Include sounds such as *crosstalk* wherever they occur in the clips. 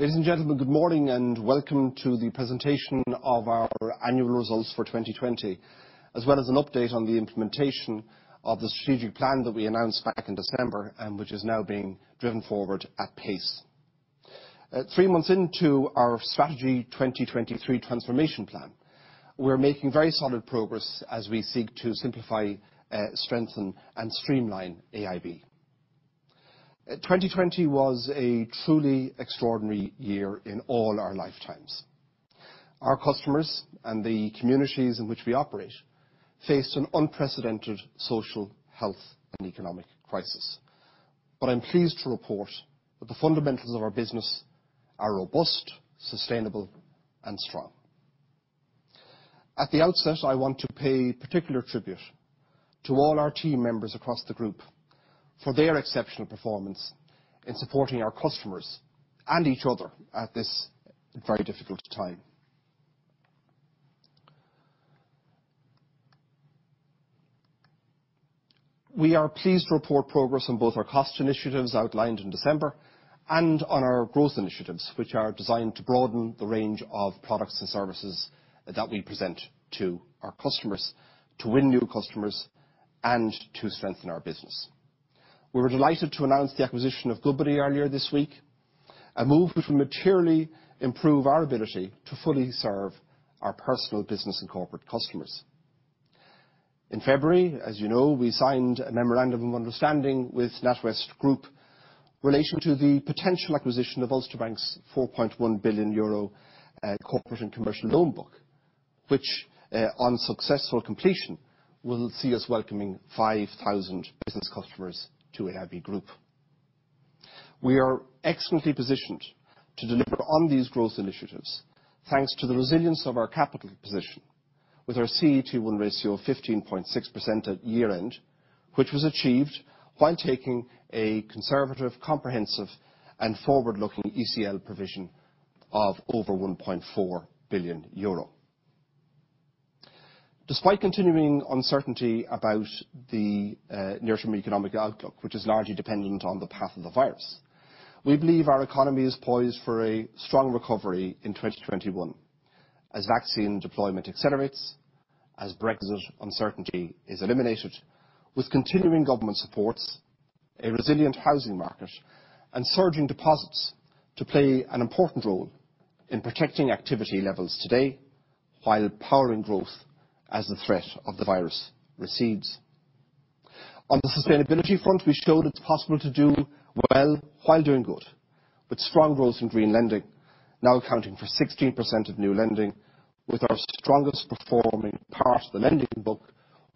Ladies and gentlemen, good morning and welcome to the presentation of our annual results for 2020, as well as an update on the implementation of the strategic plan that we announced back in December, and which is now being driven forward at pace. Three months into our Strategy 2023 transformation plan, we're making very solid progress as we seek to simplify, strengthen, and streamline AIB. 2020 was a truly extraordinary year in all our lifetimes. Our customers and the communities in which we operate, faced an unprecedented social, health, and economic crisis. I'm pleased to report that the fundamentals of our business are robust, sustainable, and strong. At the outset, I want to pay particular tribute to all our team members across the group for their exceptional performance in supporting our customers, and each other, at this very difficult time. We are pleased to report progress on both our cost initiatives outlined in December, and on our growth initiatives, which are designed to broaden the range of products and services that we present to our customers, to win new customers, and to strengthen our business. We were delighted to announce the acquisition of Goodbody earlier this week, a move which will materially improve our ability to fully serve our personal business and corporate customers. In February, as you know, we signed a memorandum of understanding with NatWest Group relating to the potential acquisition of Ulster Bank's 4.1 billion euro corporate and commercial loan book, which, on successful completion, will see us welcoming 5,000 business customers to AIB Group. We are excellently positioned to deliver on these growth initiatives thanks to the resilience of our capital position, with our CET1 ratio of 15.6% at year-end, which was achieved while taking a conservative, comprehensive, and forward-looking ECL provision of over EUR 1.4 billion. Despite continuing uncertainty about the near-term economic outlook, which is largely dependent on the path of the virus, we believe our economy is poised for a strong recovery in 2021, as vaccine deployment accelerates, as Brexit uncertainty is eliminated, with continuing government supports, a resilient housing market, and surging deposits to play an important role in protecting activity levels today, while powering growth as the threat of the virus recedes. On the sustainability front, we showed it's possible to do well while doing good, with strong growth in green lending now accounting for 16% of new lending, with our strongest performing part of the lending book,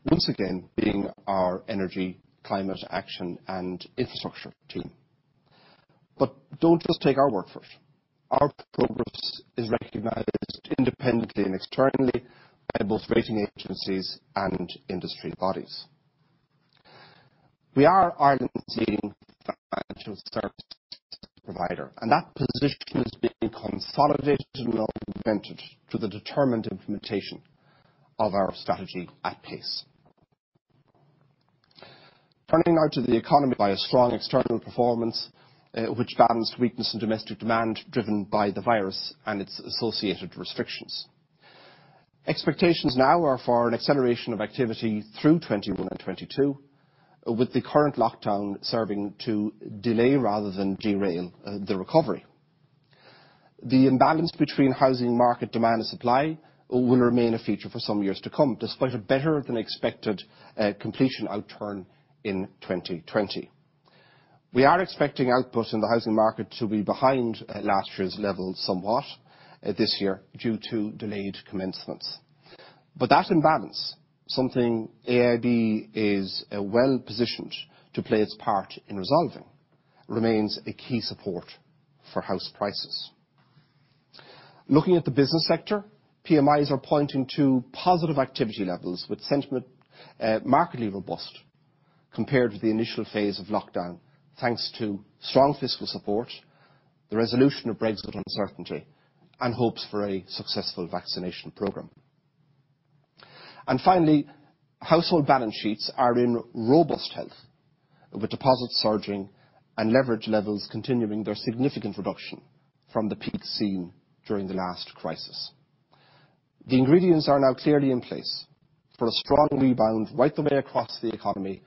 once again, being our energy, climate action, and infrastructure team. Don't just take our word for it. Our progress is recognized independently and externally by both rating agencies and industry bodies. We are Ireland's leading financial services provider, and that position is being consolidated and augmented through the determined implementation of our strategy at pace. Turning now to the economy by a strong external performance, which balanced weakness in domestic demand, driven by the virus and its associated restrictions. Expectations now are for an acceleration of activity through 2021 and 2022, with the current lockdown serving to delay rather than derail the recovery. The imbalance between housing market demand and supply will remain a feature for some years to come, despite a better than expected completion outturn in 2020. We are expecting output in the housing market to be behind last year's level somewhat this year due to delayed commencements. That imbalance, something AIB is well-positioned to play its part in resolving, remains a key support for house prices. Looking at the business sector, PMIs are pointing to positive activity levels, with sentiment markedly robust compared with the initial phase of lockdown, thanks to strong fiscal support, the resolution of Brexit uncertainty, and hopes for a successful vaccination program. Finally, household balance sheets are in robust health, with deposits surging and leverage levels continuing their significant reduction from the peak seen during the last crisis. The ingredients are now clearly in place for a strong rebound right the way across the economy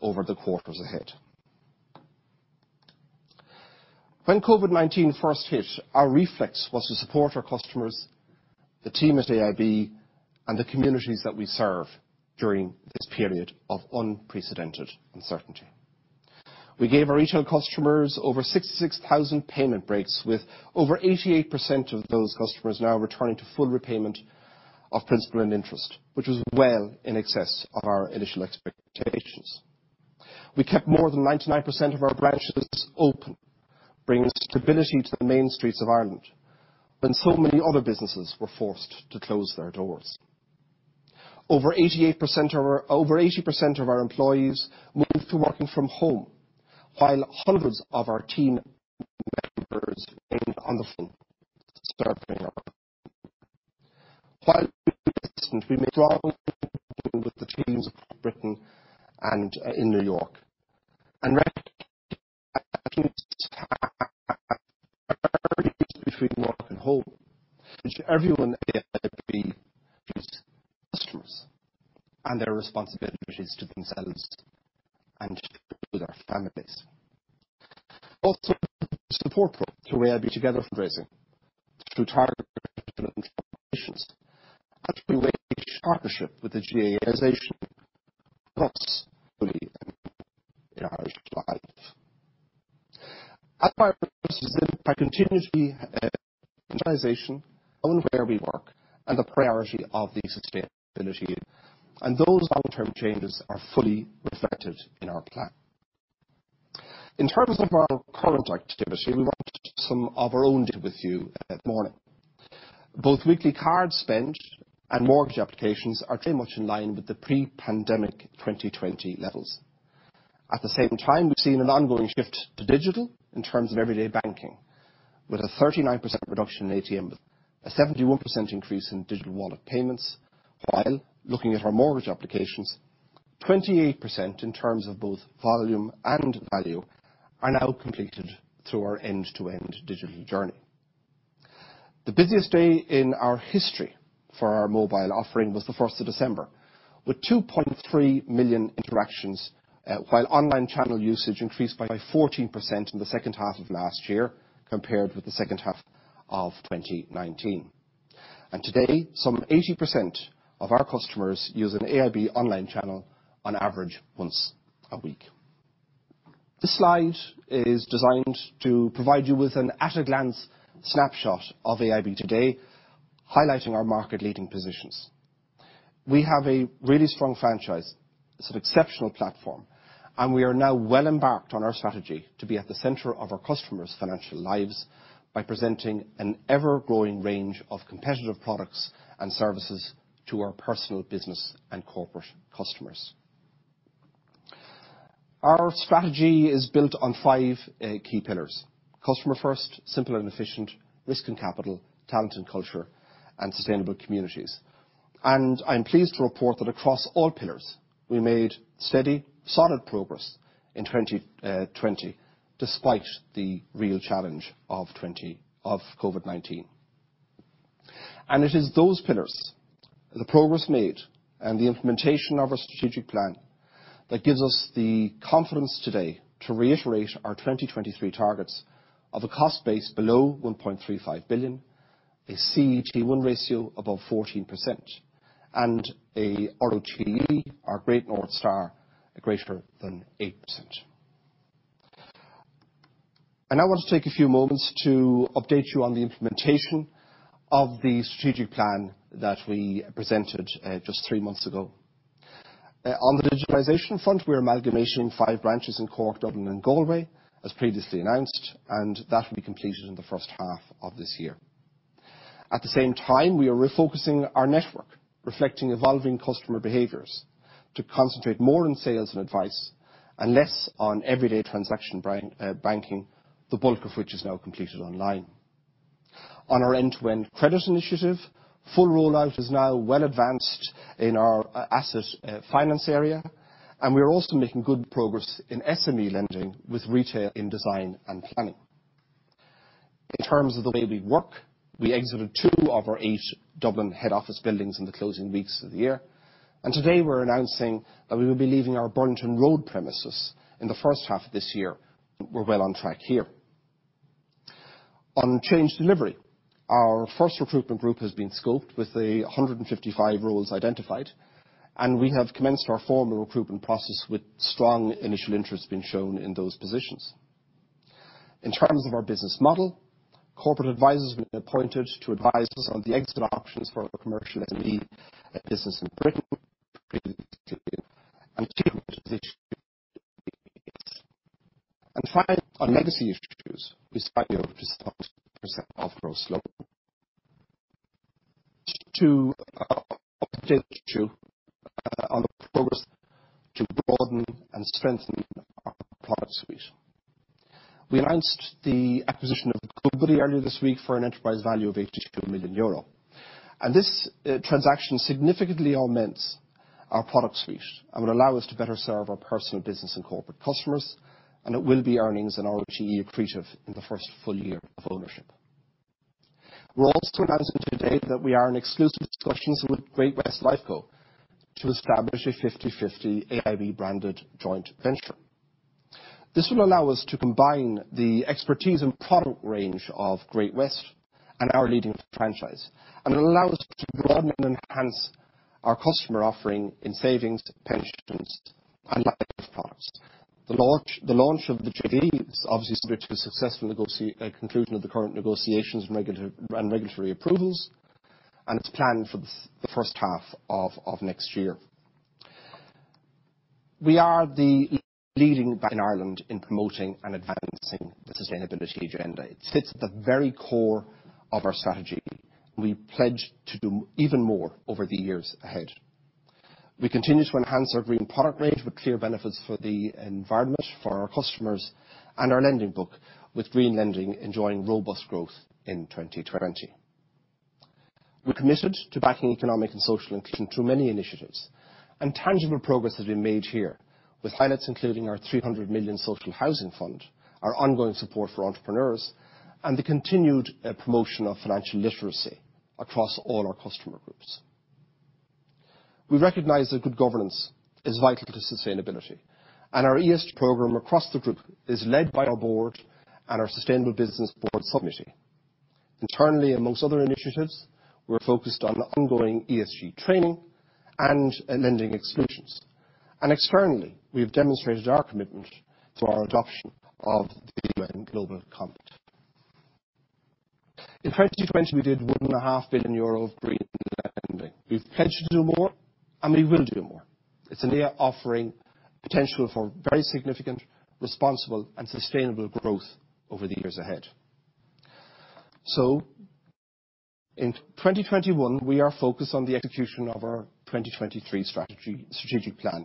over the quarters ahead. When COVID-19 first hit, our reflex was to support our customers, the team at AIB, and the communities that we serve during this period of unprecedented uncertainty. We gave our retail customers over 66,000 payment breaks, with over 88% of those customers now returning to full repayment of principal and interest, which was well in excess of our initial expectations. We kept more than 99% of our branches open, bringing stability to the main streets of Ireland when so many other businesses were forced to close their doors. Over 80% of our employees moved to working from home, while hundreds of our team members remained on the front, serving our customers quite with the teams of Britain and in New York. Which everyone at AIB is the customers and their responsibilities to themselves and share with our families. Also, support AIB Together fundraising through targeted partnership with the *inaudible* continuously where we work and the priority of the sustainability, and those long-term changes are fully reflected in our plan. In terms of our current activity, we've some of our own data with you this morning. Both weekly card spend and mortgage applications are very much in line with the pre-pandemic 2020 levels. At the same time, we've seen an ongoing shift to digital in terms of everyday banking, with a 39% reduction in ATM, a 71% increase in digital wallet payments, while looking at our mortgage applications, 28% in terms of both volume and value are now completed through our end-to-end digital journey. The busiest day in our history for our mobile offering was the 1st of December, with 2.3 million interactions, while online channel usage increased by 14% in the second half of last year compared with the second half of 2019. Today, some 80% of our customers use an AIB online channel on average once a week. This slide is designed to provide you with an at-a-glance snapshot of AIB today, highlighting our market-leading positions. We have a really strong franchise, it's an exceptional platform. We are now well embarked on our strategy to be at the center of our customers' financial lives by presenting an ever-growing range of competitive products and services to our personal business and corporate customers. Our strategy is built on five key pillars: customer first, simple and efficient, risk and capital, talent and culture, and sustainable communities. I'm pleased to report that across all pillars, we made steady, solid progress in 2020 despite the real challenge of COVID-19. It is those pillars, the progress made, and the implementation of our Strategic Plan, that gives us the confidence today to reiterate our 2023 targets of a cost base below 1.35 billion, a CET1 ratio above 14%, and a RoTE, our Great North Star, greater than 8%. I want to take a few moments to update you on the implementation of the Strategic Plan that we presented just three months ago. On the digitalization front, we're amalgamating five branches in Cork, Dublin, and Galway, as previously announced. That will be completed in the first half of this year. At the same time, we are refocusing our network, reflecting evolving customer behaviors to concentrate more on sales and advice, and less on everyday transaction banking, the bulk of which is now completed online. On our end-to-end credit initiative, full rollout is now well advanced in our asset finance area, and we are also making good progress in SME lending, with retail in design and planning. In terms of the way we work, we exited two of our eight Dublin head office buildings in the closing weeks of the year. Today we're announcing that we will be leaving our Burlington Road premises in the first half of this year. We're well on track here. On change delivery, our first recruitment group has been scoped with the 155 roles identified, and we have commenced our formal recruitment process with strong initial interest being shown in those positions. In terms of our business model, corporate advisors have been appointed to advise us on the exit options for our commercial SME business in Britain, and finally, on legacy issues, we signed off [growth slow]. To update you on the progress to broaden and strengthen our product suite. We announced the acquisition of Goodbody earlier this week for an enterprise value of 82 million euro. This transaction significantly augments our product suite and will allow us to better serve our personal business and corporate customers, and it will be earnings and RoTE accretive in the first full year of ownership. We are also announcing today that we are in exclusive discussions with Great-West Lifeco to establish a 50/50 AIB-branded joint venture. This will allow us to combine the expertise and product range of Great-West and our leading franchise, and it will allow us to broaden and enhance our customer offering in savings, pensions, and life products. The launch of the JV is obviously subject to the successful conclusion of the current negotiations and regulatory approvals, and it's planned for the first half of next year. We are the leading bank in Ireland in promoting and advancing the sustainability agenda. It sits at the very core of our strategy, and we pledge to do even more over the years ahead. We continue to enhance our green product range with clear benefits for the environment, for our customers, and our lending book, with green lending enjoying robust growth in 2020. We're committed to backing economic and social inclusion through many initiatives. Tangible progress has been made here, with highlights including our 300 million social housing fund, our ongoing support for entrepreneurs, and the continued promotion of financial literacy across all our customer groups. We recognize that good governance is vital to sustainability, and our ESG program across the group is led by our board and our sustainable business board subcommittee. Internally, amongst other initiatives, we're focused on the ongoing ESG training and lending exclusions. Externally, we have demonstrated our commitment through our adoption of the UN Global Compact. In 2020, we did 1.5 billion euro of green lending. We've pledged to do more, and we will do more. It's an area offering potential for very significant, responsible, and sustainable growth over the years ahead. In 2021, we are focused on the execution of our 2023 Strategic Plan,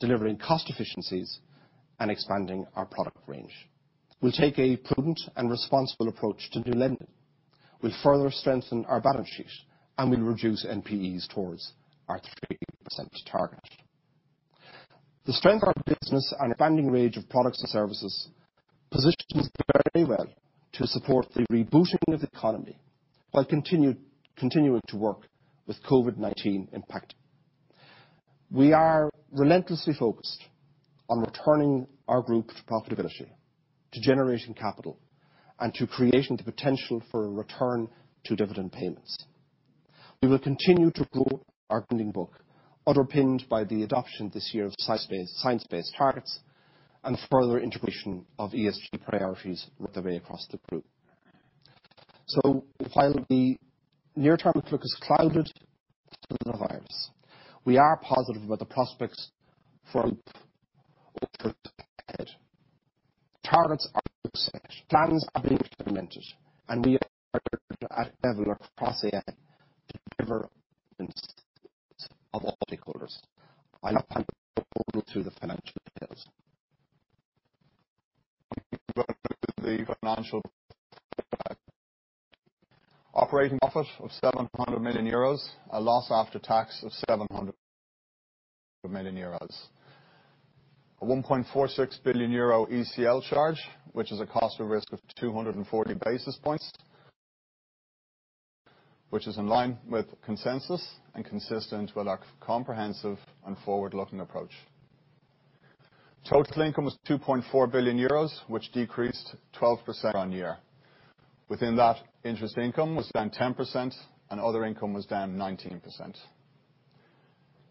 delivering cost efficiencies and expanding our product range. We'll take a prudent and responsible approach to new lending. We'll further strengthen our balance sheet, we'll reduce NPEs towards our 3% target. The strength of our business and expanding range of products and services positions us very well to support the rebooting of the economy, while continuing to work with COVID-19 impact. We are relentlessly focused on returning our group to profitability, to generating capital, and to creating the potential for a return to dividend payments. We will continue to grow our lending book, underpinned by the adoption this year of science-based targets and further integration of ESG priorities right the way across the group. While the near-term outlook is clouded because of the virus, we are positive about the prospects for growth over the years ahead. Targets are set, plans are being implemented, and we are across AIB to deliver of all stakeholders by through the financial details. Operating profit of 700 million euros, a loss after tax of 700 million euros. A 1.46 billion euro ECL charge, which is a cost of risk of 240 basis points, which is in line with consensus and consistent with our comprehensive and forward-looking approach. Total income was 2.4 billion euros, which decreased 12% on year. Within that, interest income was down 10% and other income was down 19%.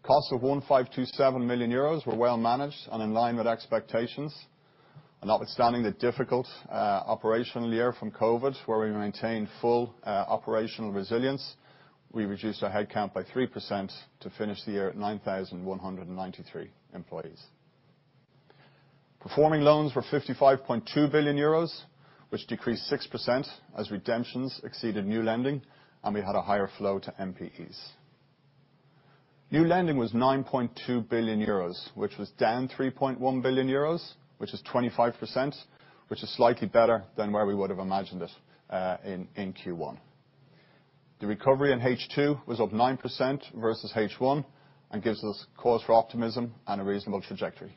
Costs of 1,527 million euros were well managed and in line with expectations. Notwithstanding the difficult operational year from COVID, where we maintained full operational resilience, we reduced our headcount by 3% to finish the year at 9,193 employees. Performing loans were 55.2 billion euros, which decreased 6% as redemptions exceeded new lending, and we had a higher flow to NPEs. New lending was 9.2 billion euros, which was down 3.1 billion euros, which is 25%, which is slightly better than where we would have imagined it in Q1. Gives us cause for optimism and a reasonable trajectory.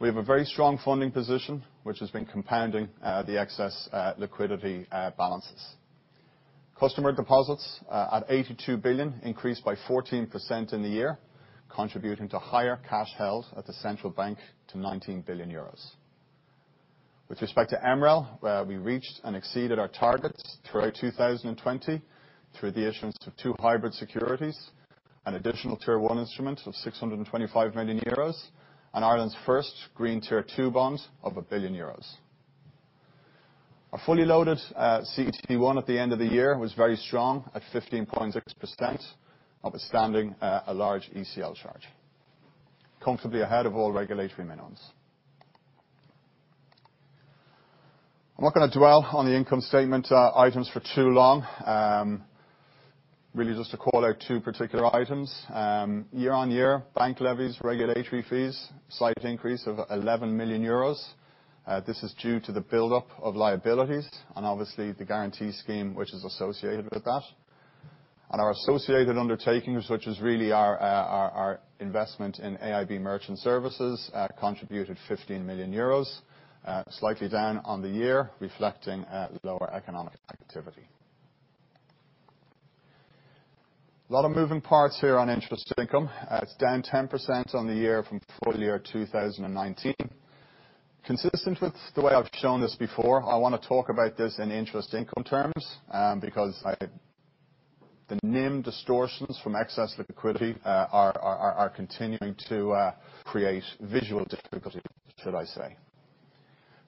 We have a very strong funding position, which has been compounding the excess liquidity balances. Customer deposits at 82 billion increased by 14% in the year, contributing to higher cash held at the central bank to 19 billion euros. With respect to MREL, we reached and exceeded our targets throughout 2020 through the issuance of two hybrid securities, an additional Tier 1 instrument of 625 million euros, and Ireland's first green Tier 2 bonds of 1 billion euros. Our fully loaded CET1 at the end of the year was very strong at 15.6%, notwithstanding a large ECL charge, comfortably ahead of all regulatory minimums. I'm not going to dwell on the income statement items for too long. Really just to call out two particular items. Year on year, bank levies, regulatory fees, slight increase of 11 million euros. This is due to the buildup of liabilities and obviously the guarantee scheme which is associated with that. Our associated undertakings, which is really our investment in AIB Merchant Services, contributed 15 million euros, slightly down on the year, reflecting lower economic activity. A lot of moving parts here on interest income. It's down 10% on the year from full year 2019. Consistent with the way I've shown this before, I want to talk about this in interest income terms, because the NIM distortions from excess liquidity are continuing to create visual difficulties, should I say.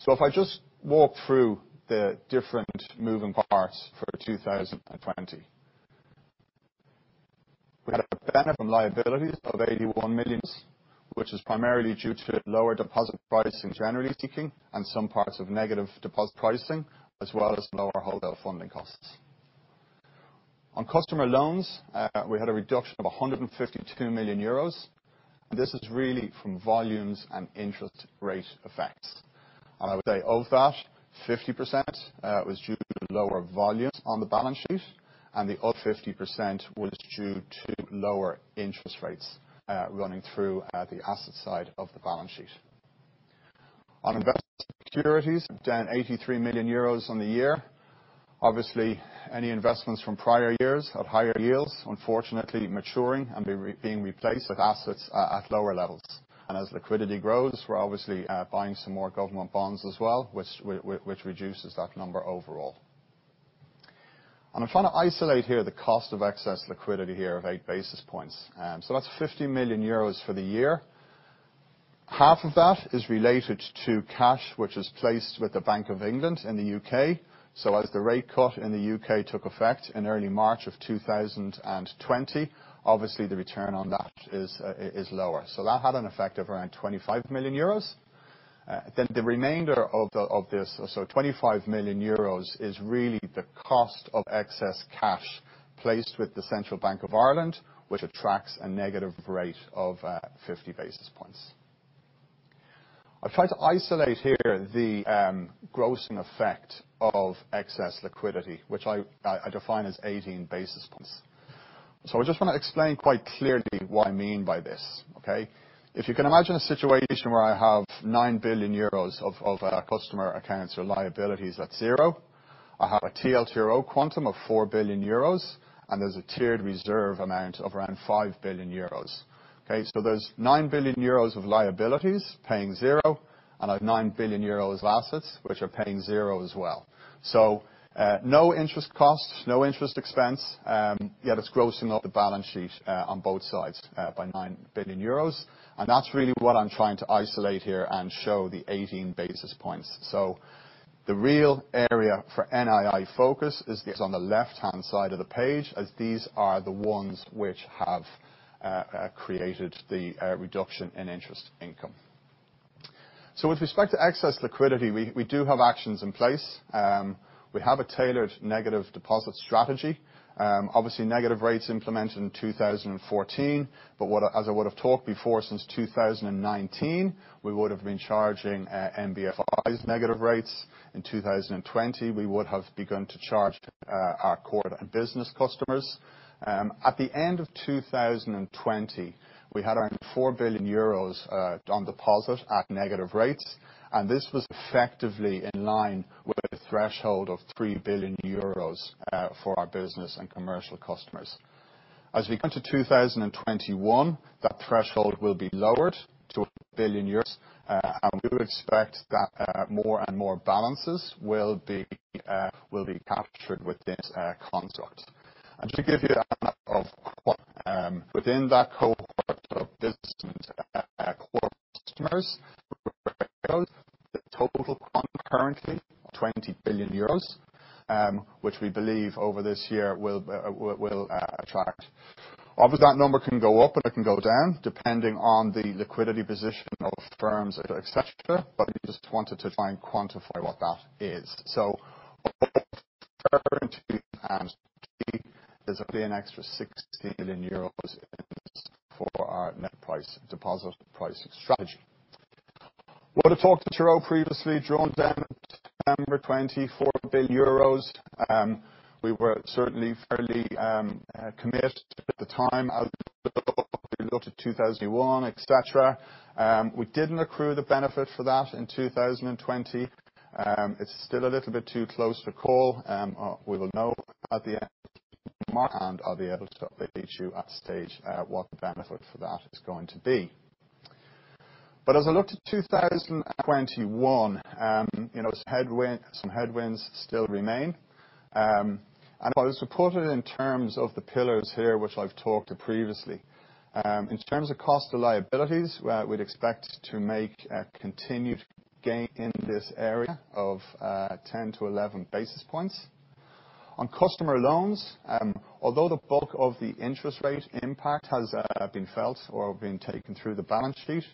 If I just walk through the different moving parts for 2020. We had a benefit from liabilities of 81 million. Which is primarily due to lower deposit pricing, generally speaking, and some parts of negative deposit pricing, as well as lower wholesale funding costs. On customer loans, we had a reduction of 152 million euros, and this is really from volumes and interest rate effects. I would say of that, 50% was due to lower volumes on the balance sheet, and the other 50% was due to lower interest rates running through the asset side of the balance sheet. On investment securities, down 83 million euros on the year. Obviously, any investments from prior years of higher yields, unfortunately maturing and being replaced with assets at lower levels. As liquidity grows, we're obviously buying some more government bonds as well, which reduces that number overall. I'm trying to isolate here the cost of excess liquidity here of eight basis points. That's 50 million euros for the year. Half of that is related to cash, which is placed with the Bank of England in the U.K. As the rate cut in the U.K. took effect in early March of 2020, obviously the return on that is lower. That had an effect of around 25 million euros. The remainder of this, 25 million euros, is really the cost of excess cash placed with the Central Bank of Ireland, which attracts a negative rate of 50 basis points. I've tried to isolate here the grossing effect of excess liquidity, which I define as 18 basis points. I just want to explain quite clearly what I mean by this, okay? If you can imagine a situation where I have 9 billion euros of customer accounts or liabilities at zero, I have a TLTRO quantum of 4 billion euros, and there's a tiered reserve amount of around 5 billion euros. Okay? There's 9 billion euros of liabilities paying zero, and I've 9 billion euros of assets which are paying zero as well. No interest cost, no interest expense, yet it's grossing up the balance sheet on both sides by 9 billion euros. That's really what I'm trying to isolate here and show the 18 basis points. The real area for NII focus is this on the left-hand side of the page, as these are the ones which have created the reduction in interest income. With respect to excess liquidity, we do have actions in place. We have a tailored negative deposit strategy. Obviously, negative rates implemented in 2014, but as I would have talked before, since 2019, we would have been charging NBFIs negative rates. In 2020, we would have begun to charge our core business customers. At the end of 2020, we had around 4 billion euros on deposit at negative rates, and this was effectively in line with a threshold of 3 billion euros for our business and commercial customers. As we go into 2021, that threshold will be lowered to 1 billion euros, and we would expect that more and more balances will be captured within this construct. To give you within that cohort of business core customers, the total quantum currently, 20 billion euros, which we believe over this year will attract. Obviously, that number can go up and it can go down, depending on the liquidity position of firms, et cetera. I just wanted to try and quantify what that is. There's roughly an extra 16 million euros in this for our net price deposit pricing strategy. I would have talked to TLTRO previously, drawn down September, 24 billion euros. We were certainly fairly committed at the time as we looked at 2021, et cetera. We didn't accrue the benefit for that in 2020. It's still a little bit too close to call. We will know at the end of March and I'll be able to update you at stage what the benefit for that is going to be. As I look to 2021, some headwinds still remain. As I supported in terms of the pillars here, which I've talked to previously. In terms of cost of liabilities, we'd expect to make a continued gain in this area of 10-11 basis points. On customer loans, although the bulk of the interest rate impact has been felt or been taken through the balance sheet,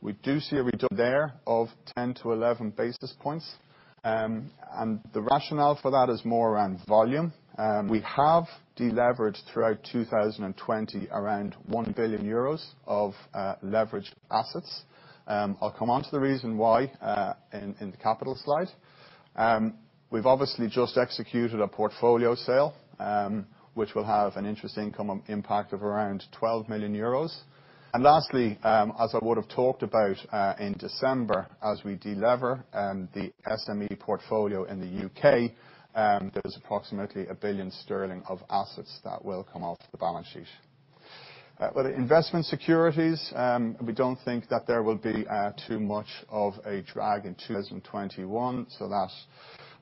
we do see a reduction there of 10-11 basis points. The rationale for that is more around volume. We have deleveraged throughout 2020 around 1 billion euros of leveraged assets. I'll come on to the reason why in the capital slide. We've obviously just executed a portfolio sale, which will have an interest income impact of around 12 million euros. Lastly, as I would have talked about in December, as we delever the SME portfolio in the U.K., there is approximately 1 billion sterling of assets that will come off the balance sheet. With investment securities, we don't think that there will be too much of a drag in 2021.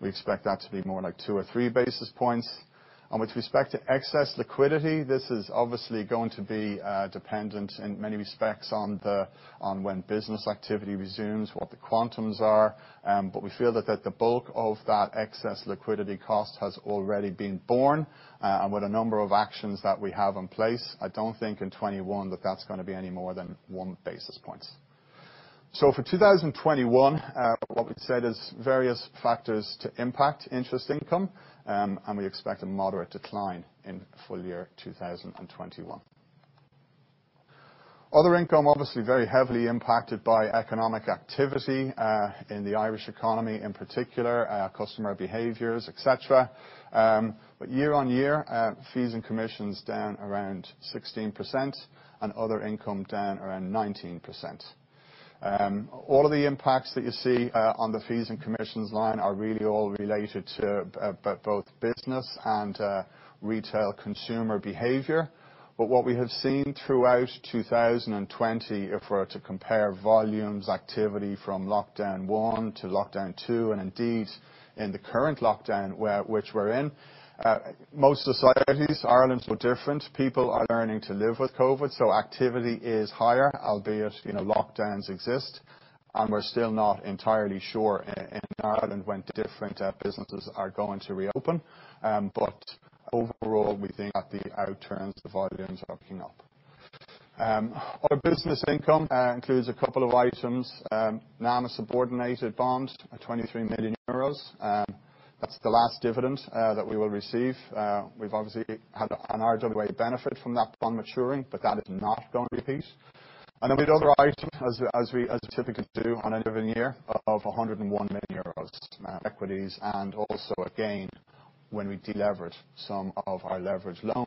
We expect that to be more like two or three basis points. With respect to excess liquidity, this is obviously going to be dependent in many respects on when business activity resumes, what the quantums are. We feel that the bulk of that excess liquidity cost has already been borne. With a number of actions that we have in place, I don't think in 2021 that that's going to be any more than one basis point. For 2021, what we've said is various factors to impact interest income, and we expect a moderate decline in full year 2021. Other income, obviously very heavily impacted by economic activity, in the Irish economy in particular, customer behaviors, et cetera. Year on year, fees and commissions down around 16% and other income down around 19%. All of the impacts that you see on the fees and commissions line are really all related to both business and retail consumer behavior. What we have seen throughout 2020, if we're to compare volumes activity from lockdown one to lockdown two, and indeed in the current lockdown which we're in, most societies, Ireland's no different. People are learning to live with COVID, so activity is higher, albeit lockdowns exist, and we're still not entirely sure in Ireland when different businesses are going to reopen. Overall, we think that the outturns of volumes are picking up. Other business income includes a couple of items. NAMA subordinated bonds are 23 million euros. That's the last dividend that we will receive. We've obviously had an RWA benefit from that bond maturing, but that is not going to repeat. We had other item, as we typically do on end of a year, of 101 million euros equities, and also, again, when we de-leveraged some of our leverage loans,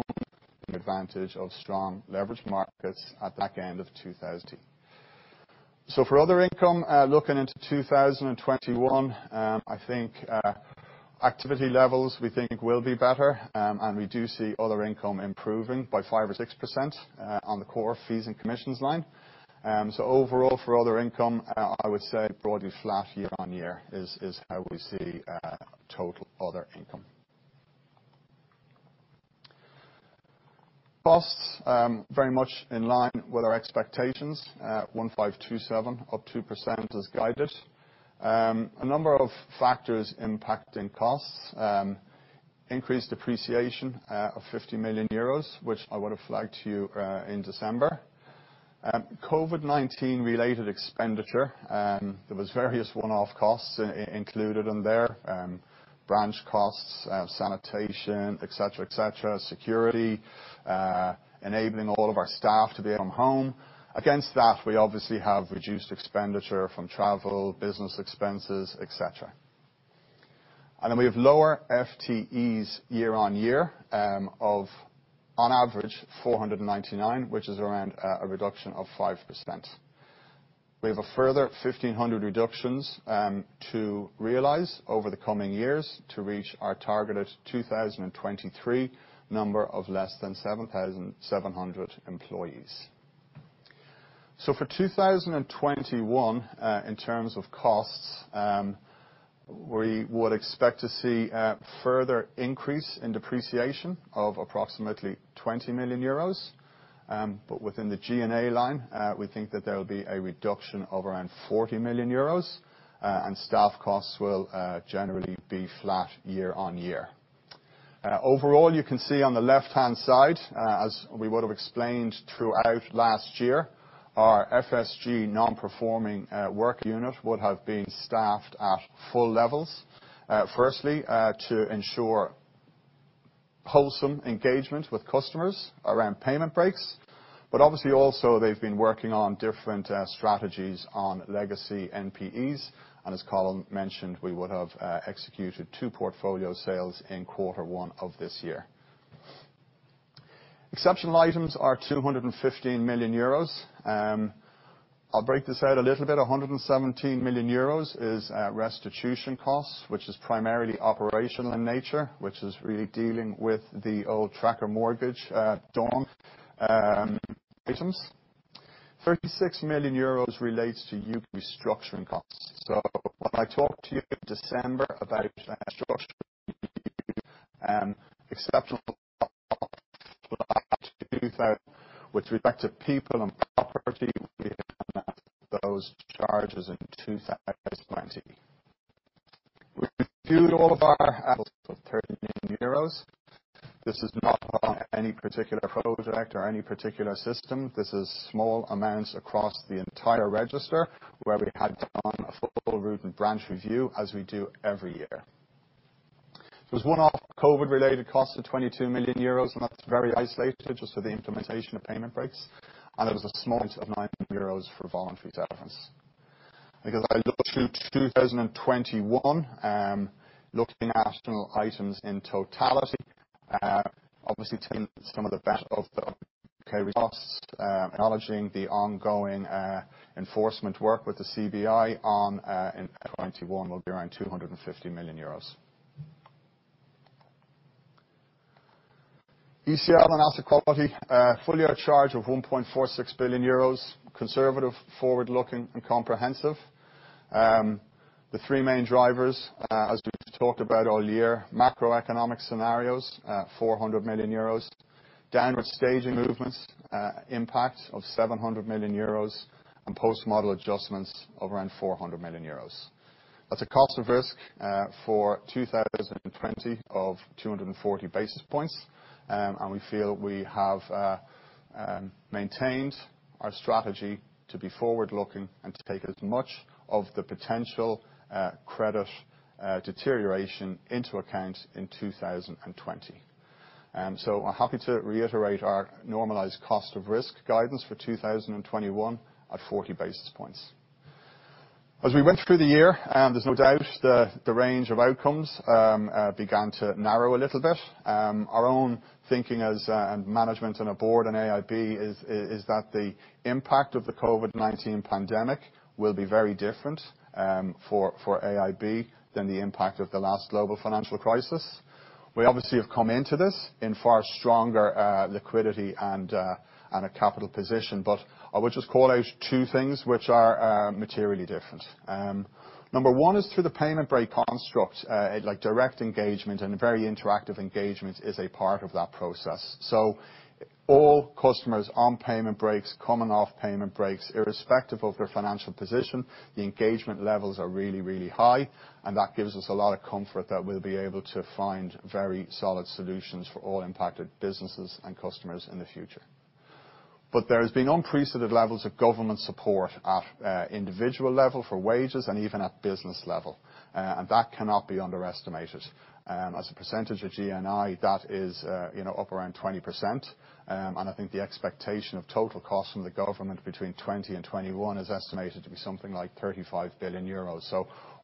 took advantage of strong leverage markets at the back end of 2020. For other income, looking into 2021, activity levels we think will be better. We do see other income improving by 5% or 6% on the core fees and commissions line. Overall for other income, I would say broadly flat year-on-year is how we see total other income. Costs, very much in line with our expectations, 1,527, up 2% as guided. A number of factors impacting costs. Increased depreciation of 50 million euros, which I would have flagged to you, in December. COVID-19 related expenditure. There was various one-off costs included in there, branch costs, sanitation, et cetera, et cetera, security, enabling all of our staff to be at home. Against that, we obviously have reduced expenditure from travel, business expenses, et cetera. We have lower FTEs year-on-year of, on average, 499, which is around a reduction of 5%. We have a further 1,500 reductions to realize over the coming years to reach our targeted 2023 number of less than 7,700 employees. For 2021, in terms of costs, we would expect to see a further increase in depreciation of approximately 20 million euros. Within the G&A line, we think that there will be a reduction of around 40 million euros, and staff costs will generally be flat year-on-year. Overall, you can see on the left-hand side, as we would have explained throughout last year, our FSG non-performing work unit would have been staffed at full levels. Firstly, to ensure wholesome engagement with customers around payment breaks. Obviously also they've been working on different strategies on legacy NPEs, and as Colin mentioned, we would have executed two portfolio sales in quarter one of this year. Exceptional items are 215 million euros. I'll break this out a little bit. 117 million euros is restitution costs, which is primarily operational in nature, which is really dealing with the old tracker mortgage DONG items. 36 million euros relates to U.K. restructuring costs. When I talked to you in December about restructuring U.K., exceptional with respect to people and property, we have those charges in 2020. We reviewed all of our of 30 million euros. This is not on any particular project or any particular system. This is small amounts across the entire register where we had done a full root and branch review, as we do every year. There was one-off COVID-19 related cost of 22 million euros, and that's very isolated, just for the implementation of payment breaks. And it was a small €9,000,000 for voluntary settlements. I look to 2021, looking at external items in totality, obviously taking some of the benefit of the U.K. costs, acknowledging the ongoing enforcement work with the enforcement work with the CBI on in FY 2021 will be around 250 million euros. ECR and asset quality. Full-year charge of 1.46 billion euros. Conservative, forward-looking, and comprehensive. The three main drivers, as we've talked about all year, macroeconomic scenarios, 400 million euros. Downward staging movements, impact of 700 million euros, and Post-Model Adjustments of around 400 million euros. That's a cost of risk for 2020 of 240 basis points. We feel we have maintained our strategy to be forward-looking and to take as much of the potential credit deterioration into account in 2020. I'm happy to reiterate our normalized cost of risk guidance for 2021 at 40 basis points. As we went through the year, there's no doubt the range of outcomes began to narrow a little bit. Our own thinking as management and a board in AIB is that the impact of the COVID-19 pandemic will be very different for AIB than the impact of the last global financial crisis. We obviously have come into this in far stronger liquidity and a capital position. I would just call out two things which are materially different. Number one is through the payment break construct, like direct engagement and very interactive engagement is a part of that process. All customers on payment breaks, coming off payment breaks, irrespective of their financial position, the engagement levels are really, really high, and that gives us a lot of comfort that we'll be able to find very solid solutions for all impacted businesses and customers in the future. There has been unprecedented levels of government support at individual level for wages and even at business level, and that cannot be underestimated. As a percentage of GNI, that is up around 20%. I think the expectation of total cost from the government between 2020 and 2021 is estimated to be something like 35 billion euros.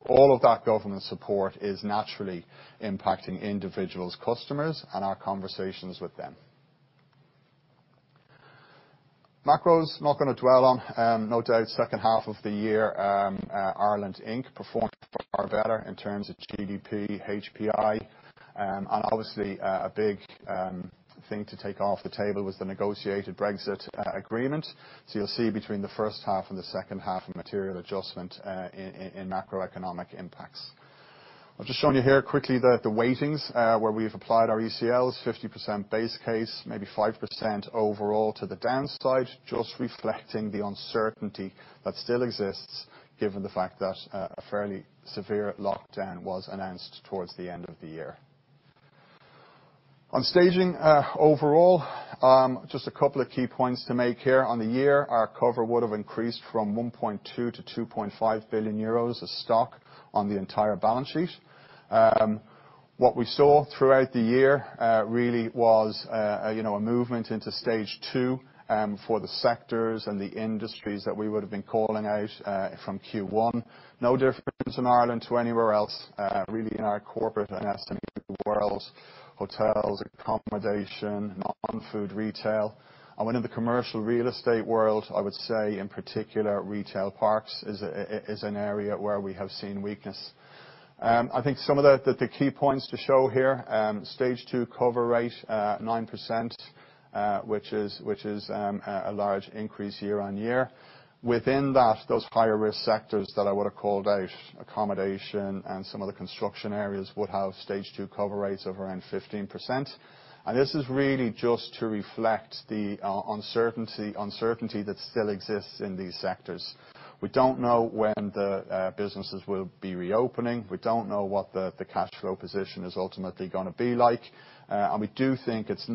All of that government support is naturally impacting individuals, customers, and our conversations with them. Macros, not going to dwell on. No doubt, second half of the year, Ireland Inc. performed far better in terms of GDP, HPI. Obviously, a big thing to take off the table was the negotiated Brexit agreement. You'll see between the first half and the second half a material adjustment in macroeconomic impacts. I've just shown you here quickly the weightings, where we've applied our ECLs, 50% base case, maybe 5% overall to the downside, just reflecting the uncertainty that still exists given the fact that a fairly severe lockdown was announced towards the end of the year. On staging overall, just a couple of key points to make here. On the year, our cover would have increased from 1.2 billion-2.5 billion euros of stock on the entire balance sheet. What we saw throughout the year really was a movement into Stage 2 for the sectors and the industries that we would've been calling out from Q1. No difference in Ireland to anywhere else, really in our corporate and SME world, hotels, accommodation, non-food retail. When in the commercial real estate world, I would say in particular, retail parks is an area where we have seen weakness. I think some of the key points to show here, Stage 2 cover rate, 9%, which is a large increase year-over-year. Within that, those higher risk sectors that I would have called out, accommodation and some of the construction areas would have Stage 2 cover rates of around 15%. This is really just to reflect the uncertainty that still exists in these sectors. We don't know when the businesses will be reopening. We don't know what the cash flow position is ultimately going to be like. We do think it's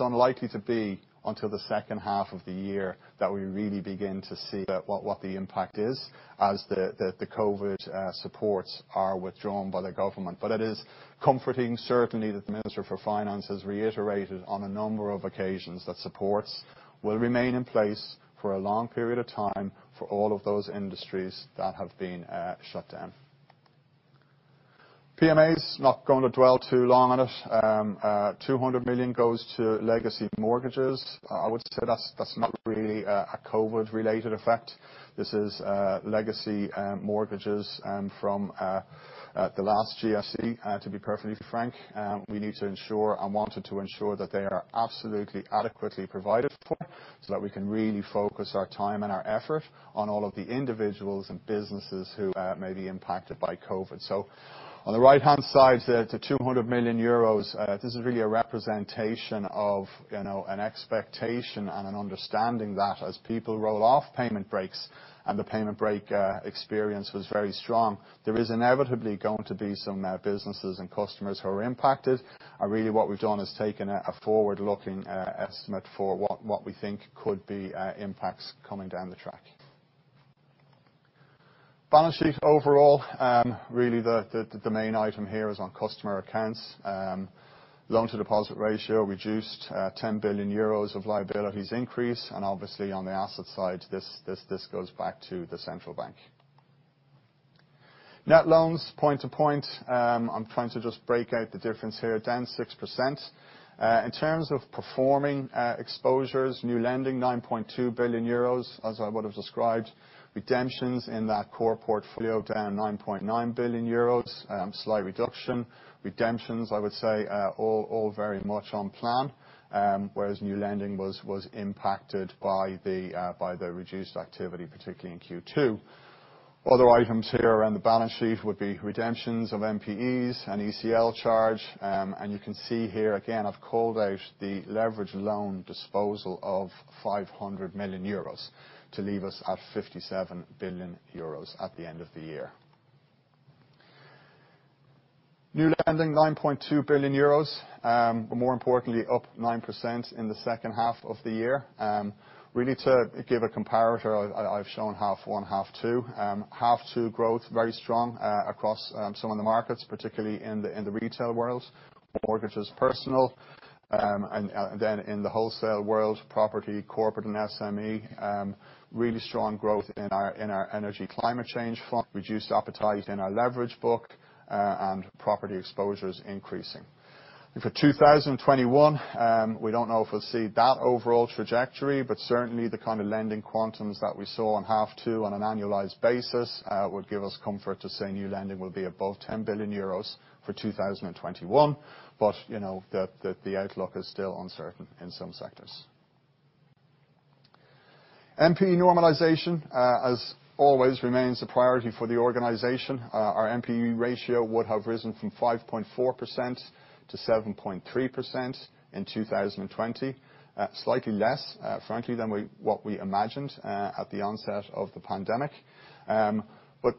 unlikely to be until the second half of the year that we really begin to see what the impact is, as the COVID supports are withdrawn by the government. It is comforting, certainly, that the Minister for Finance has reiterated on a number of occasions that supports will remain in place for a long period of time for all of those industries that have been shut down. PMAs, not going to dwell too long on it. 200 million goes to legacy mortgages. I would say that's not really a COVID-related effect. This is legacy mortgages from the last GFC, to be perfectly frank. We need to ensure and wanted to ensure that they are absolutely adequately provided for, so that we can really focus our time and our effort on all of the individuals and businesses who may be impacted by COVID. On the right-hand side, the 200 million euros, this is really a representation of an expectation and an understanding that as people roll off payment breaks, and the payment break experience was very strong, there is inevitably going to be some businesses and customers who are impacted. Really what we've done is taken a forward-looking estimate for what we think could be impacts coming down the track. Balance sheet overall, really the main item here is on customer accounts. Loan-to-deposit ratio reduced, 10 billion euros of liabilities increase, obviously on the asset side, this goes back to the Central Bank. Net loans point to point, I'm trying to just break out the difference here, down 6%. In terms of performing exposures, new lending, 9.2 billion euros, as I would have described. Redemptions in that core portfolio, down 9.9 billion euros. Slight reduction. Redemptions, I would say, all very much on plan, whereas new lending was impacted by the reduced activity, particularly in Q2. Other items here around the balance sheet would be redemptions of NPEs, an ECL charge. You can see here, again, I've called out the leverage loan disposal of 500 million euros to leave us at 57 billion euros at the end of the year. New lending, 9.2 billion euros. More importantly, up 9% in the second half of the year. Really to give a comparator, I've shown half one, half two. Half two growth, very strong across some of the markets, particularly in the retail world. Mortgages personal. In the wholesale world, property, corporate, and SME. Really strong growth in our energy climate change fund. Reduced appetite in our leverage book, and property exposures increasing. For 2021, we don't know if we'll see that overall trajectory, but certainly, the kind of lending quantums that we saw in half two on an annualized basis would give us comfort to say new lending will be above 10 billion euros for 2021. The outlook is still uncertain in some sectors. NPE normalization, as always, remains a priority for the organization. Our NPE ratio would have risen from 5.4% to 7.3% in 2020. Slightly less, frankly, than what we imagined at the onset of the pandemic.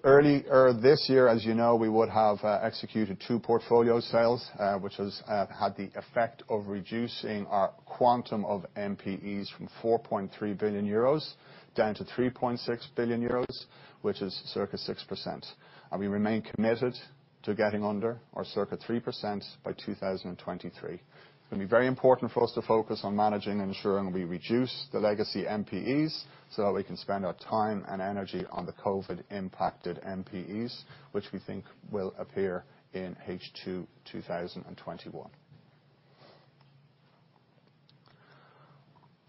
Earlier this year, as you know, we would have executed two portfolio sales, which has had the effect of reducing our quantum of NPEs from 4.3 billion euros down to 3.6 billion euros, which is circa 6%. We remain committed to getting under our circa 3% by 2023. It's going to be very important for us to focus on managing and ensuring we reduce the legacy NPEs so that we can spend our time and energy on the COVID-impacted NPEs, which we think will appear in H2 2021.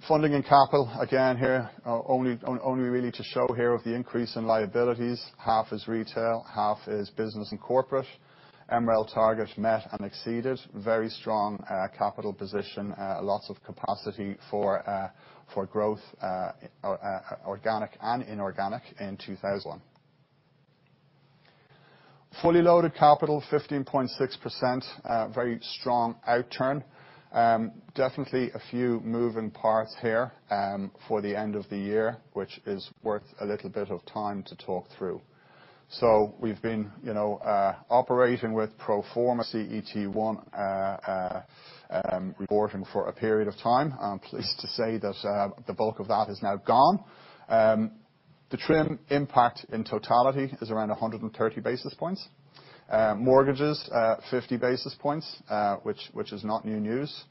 Funding and capital. Here, only really to show here of the increase in liabilities, half is retail, half is business and corporate. MREL target met and exceeded. Very strong capital position. Lots of capacity for growth, organic and inorganic, in 2001. Fully loaded capital, 15.6%, a very strong outturn. Definitely a few moving parts here for the end of the year, which is worth a little bit of time to talk through. We've been operating with pro forma CET1 reporting for a period of time. I'm pleased to say that the bulk of that is now gone. The TRIM impact in totality is around 130 basis points. Mortgages, 50 basis points, which is not new news.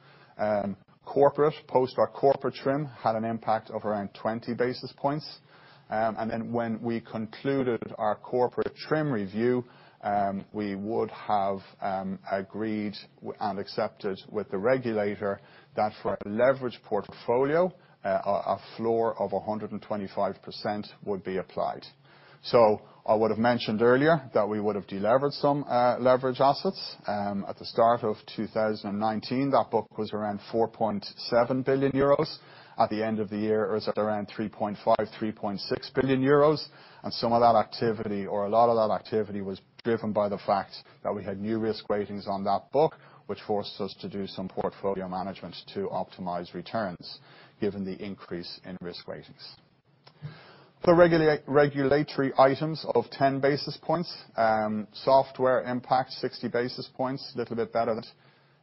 Corporate, post our corporate TRIM, had an impact of around 20 basis points. When we concluded our corporate TRIM review, we would have agreed and accepted with the regulator that for our leverage portfolio, a floor of 125% would be applied. I would have mentioned earlier that we would have delevered some leverage assets. At the start of 2019, that book was around 4.7 billion euros. At the end of the year, it was at around 3.5 billion euros, 3.6 billion euros. Some of that activity, or a lot of that activity, was driven by the fact that we had new risk ratings on that book, which forced us to do some portfolio management to optimize returns, given the increase in risk ratings. For regulatory items of 10 basis points. Software impact, 60 basis points, little bit better.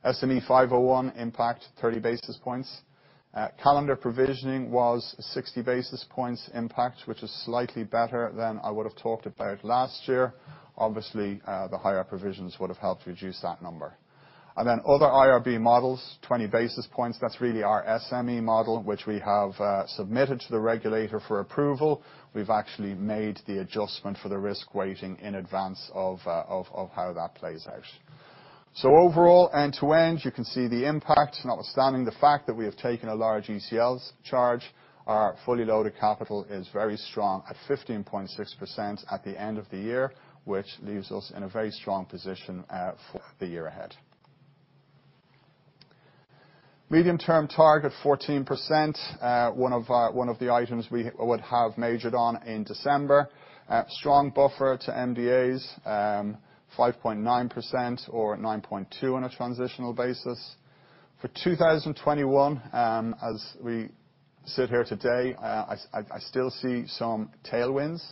SME 501 impact, 30 basis points. Calendar provisioning was 60 basis points impact, which is slightly better than I would have talked about last year. Obviously, the higher provisions would have helped reduce that number. Other IRB models, 20 basis points. That's really our SME model, which we have submitted to the regulator for approval. We've actually made the adjustment for the risk weighting in advance of how that plays out. Overall, end-to-end, you can see the impact, notwithstanding the fact that we have taken a large ECL charge. Our fully loaded capital is very strong at 15.6% at the end of the year, which leaves us in a very strong position for the year ahead. Medium-term target, 14%, one of the items we would have majored on in December. Strong buffer to MDAs, 5.9% or 9.2% on a transitional basis. For 2021, as we sit here today, I still see some tailwinds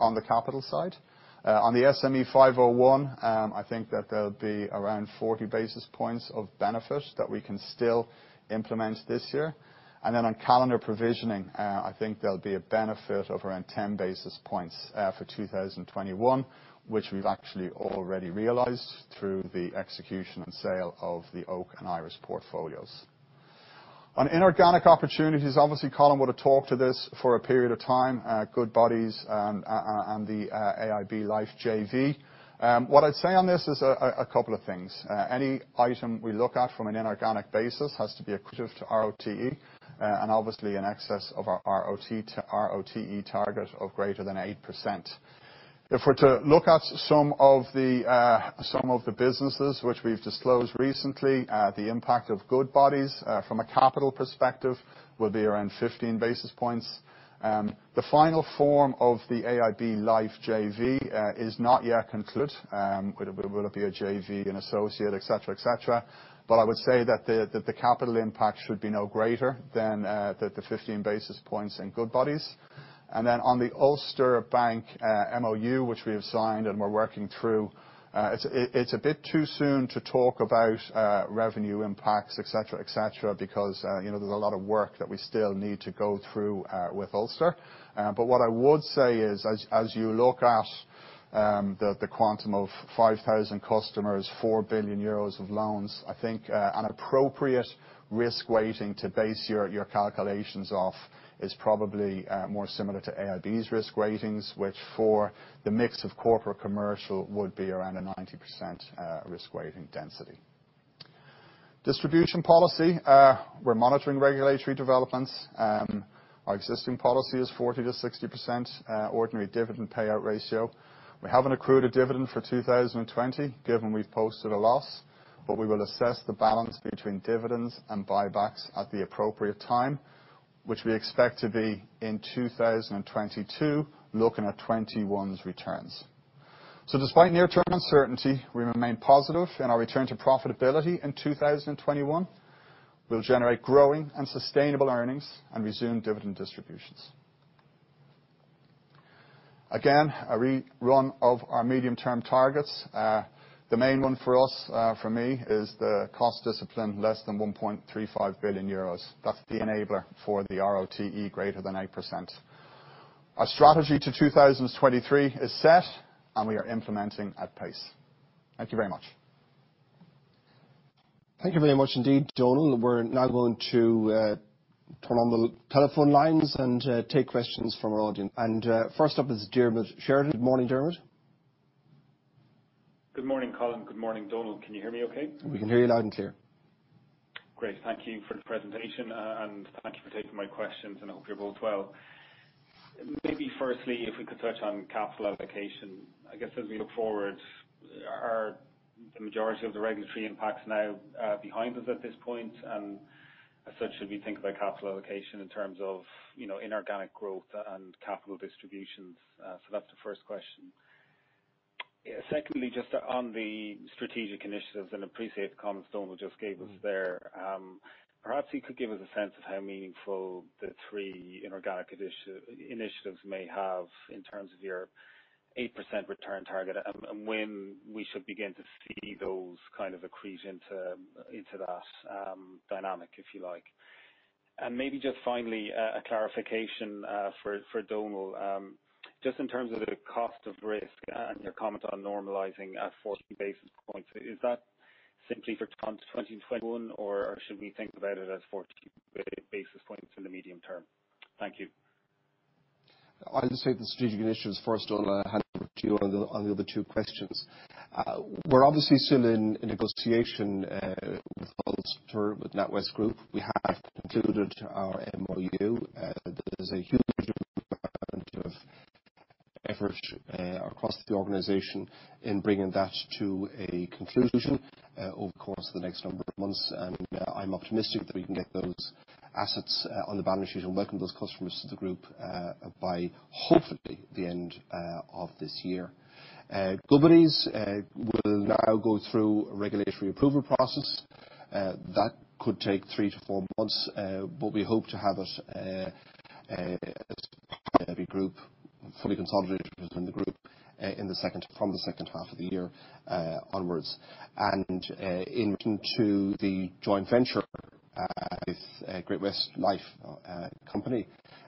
on the capital side. On the SME 501, I think that there'll be around 40 basis points of benefit that we can still implement this year. On calendar provisioning, I think there'll be a benefit of around 10 basis points for 2021, which we've actually already realized through the execution and sale of the Oak and Iris portfolios. On inorganic opportunities, obviously, Colin would have talked to this for a period of time, Goodbody and the AIB Life JV. What I'd say on this is a couple of things. Any item we look at from an inorganic basis has to be accretive to RoTE, and obviously in excess of our RoTE target of greater than 8%. If we're to look at some of the businesses which we've disclosed recently, the impact of Goodbody from a capital perspective will be around 15 basis points. The final form of the AIB Life JV is not yet concluded. Will it be a JV, an associate, et cetera? I would say that the capital impact should be no greater than the 15 basis points in Goodbody. On the Ulster Bank MOU, which we have signed and we're working through, it's a bit too soon to talk about revenue impacts et cetera, because there's a lot of work that we still need to go through with Ulster. What I would say is, as you look at the quantum of 5,000 customers, 4 billion euros of loans, I think an appropriate risk weighting to base your calculations off is probably more similar to AIB's risk weightings, which for the mix of corporate commercial, would be around a 90% risk weighting density. Distribution policy, we're monitoring regulatory developments. Our existing policy is 40%-60% ordinary dividend payout ratio. We haven't accrued a dividend for 2020, given we've posted a loss, we will assess the balance between dividends and buybacks at the appropriate time, which we expect to be in 2022, looking at 2021's returns. Despite near-term uncertainty, we remain positive in our return to profitability in 2021. We'll generate growing and sustainable earnings and resume dividend distributions. Again, a rerun of our medium-term targets. The main one for us, for me, is the cost discipline less than 1.35 billion euros. That's the enabler for the RoTE greater than 8%. Our Strategy 2023 is set, and we are implementing at pace. Thank you very much. Thank you very much indeed, Donal. We're now going to turn on the telephone lines and take questions from our audience. First up is Diarmaid Sheridan. Good morning, Diarmaid. Good morning, Colin. Good morning, Donal. Can you hear me okay? We can hear you loud and clear. Great. Thank you for the presentation, and thank you for taking my questions. I hope you're both well. Maybe firstly, if we could touch on capital allocation. I guess as we look forward, are the majority of the regulatory impacts now behind us at this point? As such, should we think about capital allocation in terms of inorganic growth and capital distributions? That's the first question. Secondly, just on the strategic initiatives, and appreciate the comments Donal just gave us there. Perhaps you could give us a sense of how meaningful the three inorganic initiatives may have in terms of your 8% return target, and when we should begin to see those kind of accrete into that dynamic, if you like. Maybe just finally, a clarification for Donal, just in terms of the cost of risk and your comment on normalizing at 40 basis points. Is that simply for 2021, or should we think about it as 40 basis points in the medium term? Thank you. I'll just take the strategic initiatives first, Donal. I'll hand over to you on the other two questions. We're obviously still in negotiation with Ulster, with NatWest Group. We have concluded our MOU. There is a huge amount of effort across the organization in bringing that to a conclusion over the course of the next number of months. I'm optimistic that we can get those assets on the balance sheet and welcome those customers to the group, by hopefully, the end of this year. Goodbody will now go through a regulatory approval process. That could take three to four months, we hope to have it as AIB Group, fully consolidated within the group from the second half of the year onwards. Into the joint venture with Great-West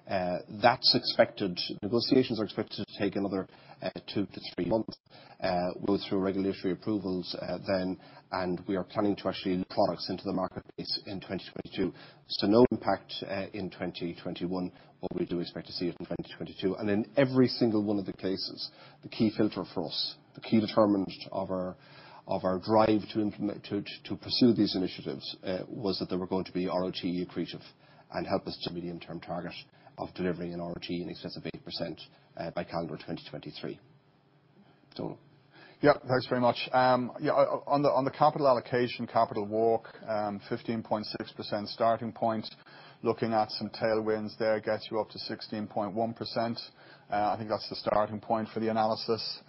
Lifeco, negotiations are expected to take another two to three months. We'll go through regulatory approvals then, and we are planning to actually launch products into the marketplace in 2022. No impact in 2021, but we do expect to see it in 2022. In every single one of the cases, the key filter for us, the key determinant of our drive to pursue these initiatives, was that they were going to be RoTE accretive and help us to meet the interim target of delivering an RoTE in excess of 8% by calendar 2023. Donal? Yeah. Thanks very much. On the capital allocation, capital walk, 15.6% starting point. Looking at some tailwinds there gets you up to 16.1%. I think that's the starting point for the analysis.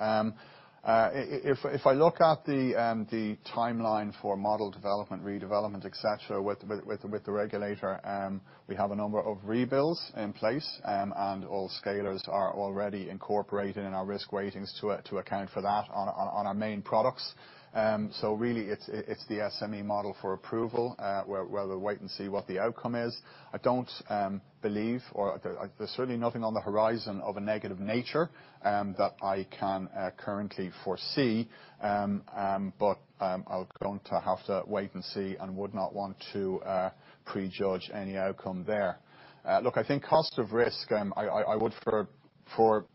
If I look at the timeline for model development, redevelopment, et cetera, with the regulator, we have a number of rebuilds in place. All scalers are already incorporated in our risk weightings to account for that on our main products. Really it's the SME model for approval, where we'll wait and see what the outcome is. There's certainly nothing on the horizon of a negative nature that I can currently foresee. I'm going to have to wait and see and would not want to prejudge any outcome there. Look, I think cost of risk, I would for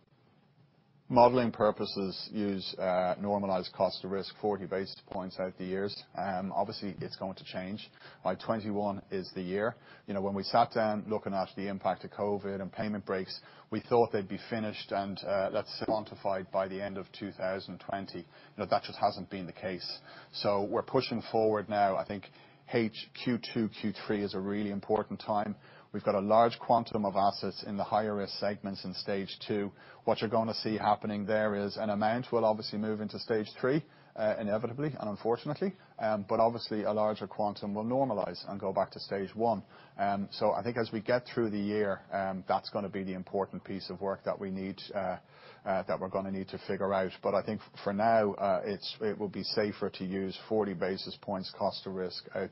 modeling purposes use normalized cost of risk 40 basis points out the years. Obviously, it's going to change. By 2021 is the year. When we sat down looking at the impact of COVID and payment breaks, we thought they'd be finished and that's quantified by the end of 2020. That just hasn't been the case. We're pushing forward now. I think H2 2023 is a really important time. We've got a large quantum of assets in the higher risk segments in Stage 2. What you're going to see happening there is an amount will obviously move into Stage 3, inevitably and unfortunately. Obviously, a larger quantum will normalize and go back to Stage 1. I think as we get through the year, that's going to be the important piece of work that we're going to need to figure out. I think for now, it will be safer to use 40 basis points cost of risk out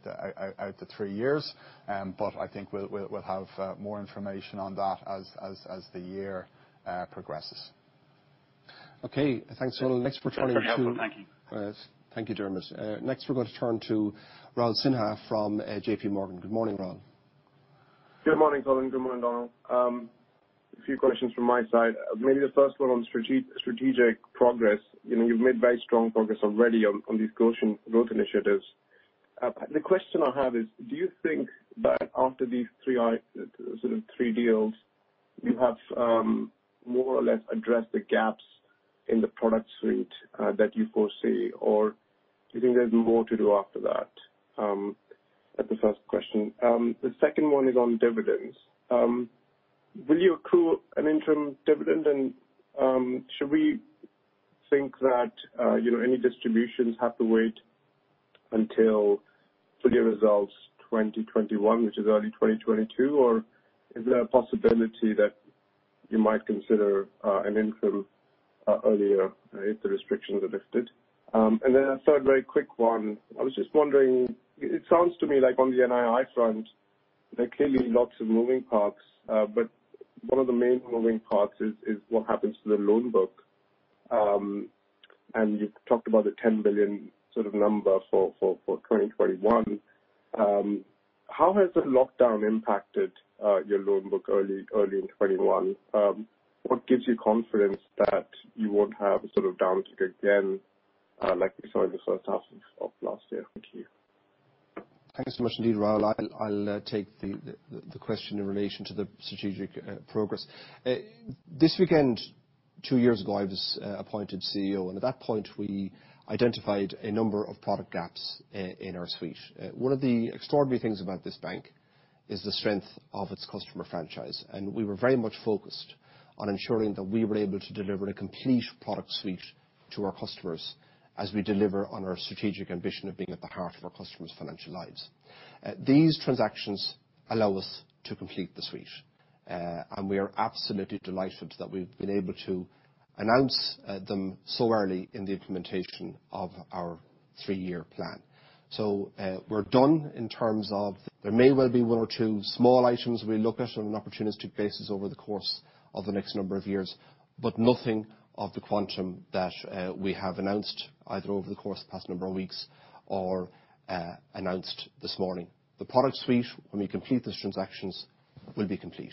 to three years. I think we'll have more information on that as the year progresses. Okay, thanks. Next we're turning to. That's very helpful. Thank you. Thank you, Diarmaid. Next we're going to turn to Raul Sinha from JPMorgan. Good morning, Raul. Good morning, Colin. Good morning, Donal. A few questions from my side. Maybe the first one on strategic progress. You've made very strong progress already on these growth initiatives. The question I have is, do you think that after these three deals, you have more or less addressed the gaps in the product suite that you foresee, or do you think there's more to do after that? That's the first question. The second one is on dividends. Will you accrue an interim dividend and should we think that any distributions have to wait until full year results 2021, which is early 2022, or is there a possibility that you might consider an interim earlier if the restrictions are lifted? A third very quick one. I was just wondering, it sounds to me like on the NII front, there are clearly lots of moving parts. One of the main moving parts is what happens to the loan book. You've talked about the 10 billion number for 2021. How has the lockdown impacted your loan book early in 2021? What gives you confidence that you won't have a downtick again, like we saw in the first half of last year? Thank you. Thanks so much indeed, Raul. I'll take the question in relation to the strategic progress. This weekend two years ago, I was appointed CEO, and at that point, we identified a number of product gaps in our suite. One of the extraordinary things about this bank is the strength of its customer franchise, and we were very much focused on ensuring that we were able to deliver a complete product suite to our customers as we deliver on our strategic ambition of being at the heart of our customers' financial lives. These transactions allow us to complete the suite. We are absolutely delighted that we've been able to announce them so early in the implementation of our three-year plan. We're done in terms of there may well be one or two small items we look at on an opportunistic basis over the course of the next number of years, but nothing of the quantum that we have announced either over the course of the past number of weeks or announced this morning. The product suite, when we complete these transactions, will be complete.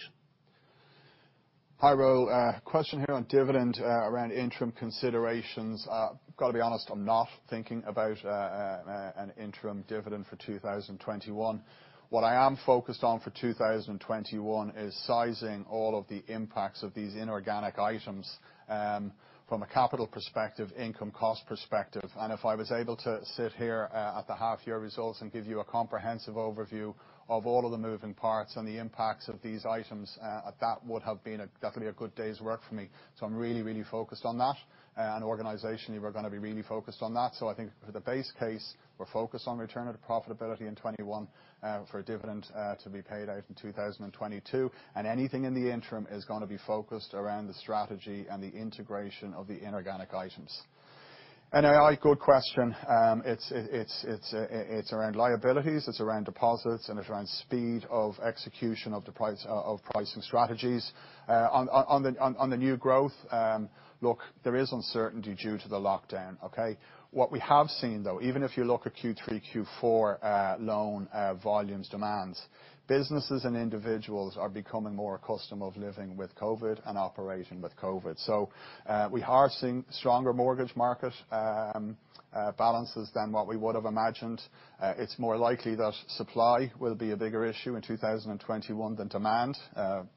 Hi, Raul. Question here on dividend around interim considerations. Got to be honest, I'm not thinking about an interim dividend for 2021. What I am focused on for 2021 is sizing all of the impacts of these inorganic items from a capital perspective, income cost perspective. If I was able to sit here at the half-year results and give you a comprehensive overview of all of the moving parts and the impacts of these items, that would have been definitely a good day's work for me. I'm really, really focused on that, and organizationally, we're going to be really focused on that. I think for the base case, we're focused on return to profitability in 2021 for a dividend to be paid out in 2022. Anything in the interim is going to be focused around the strategy and the integration of the inorganic items. NII, good question. It's around liabilities, it's around deposits, and it's around speed of execution of pricing strategies. On the new growth, look, there is uncertainty due to the lockdown. Okay? What we have seen, though, even if you look at Q3, Q4 loan volumes demands, businesses and individuals are becoming more accustomed of living with COVID-19 and operating with COVID-19. We are seeing stronger mortgage market balances than what we would've imagined. It's more likely that supply will be a bigger issue in 2021 than demand.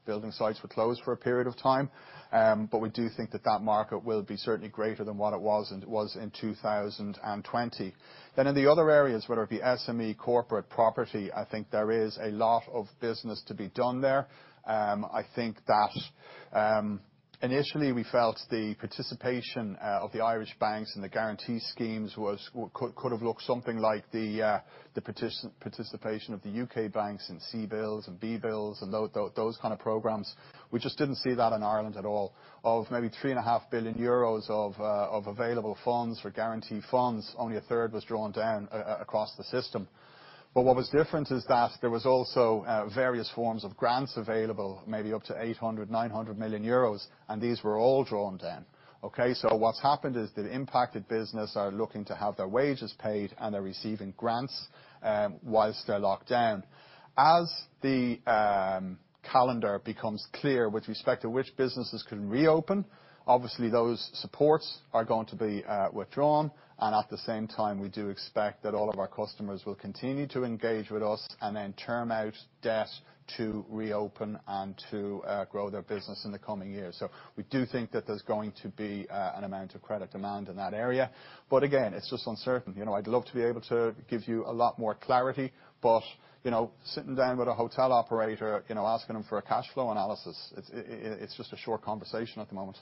Building sites were closed for a period of time. We do think that that market will be certainly greater than what it was in 2020. In the other areas, whether it be SME, corporate, property, I think there is a lot of business to be done there. I think that initially we felt the participation of the Irish banks and the guarantee schemes could have looked something like the participation of the U.K. banks and CBILS and BBLS, and those kind of programs. We just didn't see that in Ireland at all. Of maybe 3.5 billion euros of available funds for guarantee funds, only a third was drawn down across the system. What was different is that there was also various forms of grants available, maybe up to 800 million-900 million euros, and these were all drawn down. Okay. What's happened is the impacted business are looking to have their wages paid, and they're receiving grants while they're locked down. As the calendar becomes clear with respect to which businesses can reopen, obviously those supports are going to be withdrawn, and at the same time, we do expect that all of our customers will continue to engage with us, and then term out debt to reopen and to grow their business in the coming year. We do think that there's going to be an amount of credit demand in that area. Again, it's just uncertain. I'd love to be able to give you a lot more clarity, but sitting down with a hotel operator, asking them for a cash flow analysis, it's just a short conversation at the moment.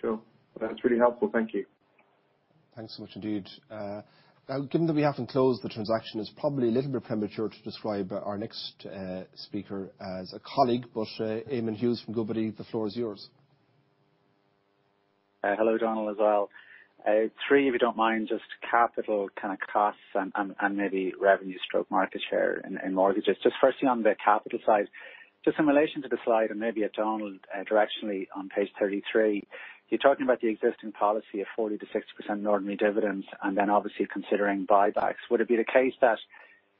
Sure. That's really helpful. Thank you. Thanks so much indeed. Now, given that we haven't closed the transaction, it's probably a little bit premature to describe our next speaker as a colleague, but Eamonn Hughes from Goodbody, the floor is yours. Hello, Donal, as well. Three, if you don't mind, just capital kind of costs and maybe revenue stroke market share in mortgages. Firstly, on the capital side. In relation to the slide, maybe at Donal, directionally on page 33, you're talking about the existing policy of 40%-60% ordinary dividends, then obviously considering buybacks. Would it be the case that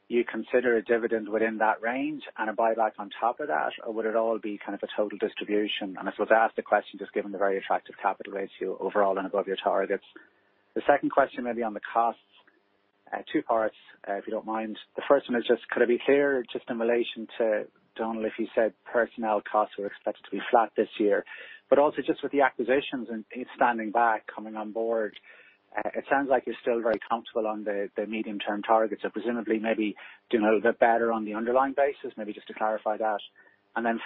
you consider a dividend within that range and a buyback on top of that, or would it all be kind of a total distribution? I suppose that the question, just given the very attractive capital ratio overall and above your targets. The second question maybe on the costs, two parts, if you don't mind. The first one is just could I be clear just in relation to Donal, if you said personnel costs were expected to be flat this year, but also just with the acquisitions and standing back, coming on board, it sounds like you're still very comfortable on the medium-term targets. Presumably maybe doing a little bit better on the underlying basis, maybe just to clarify that.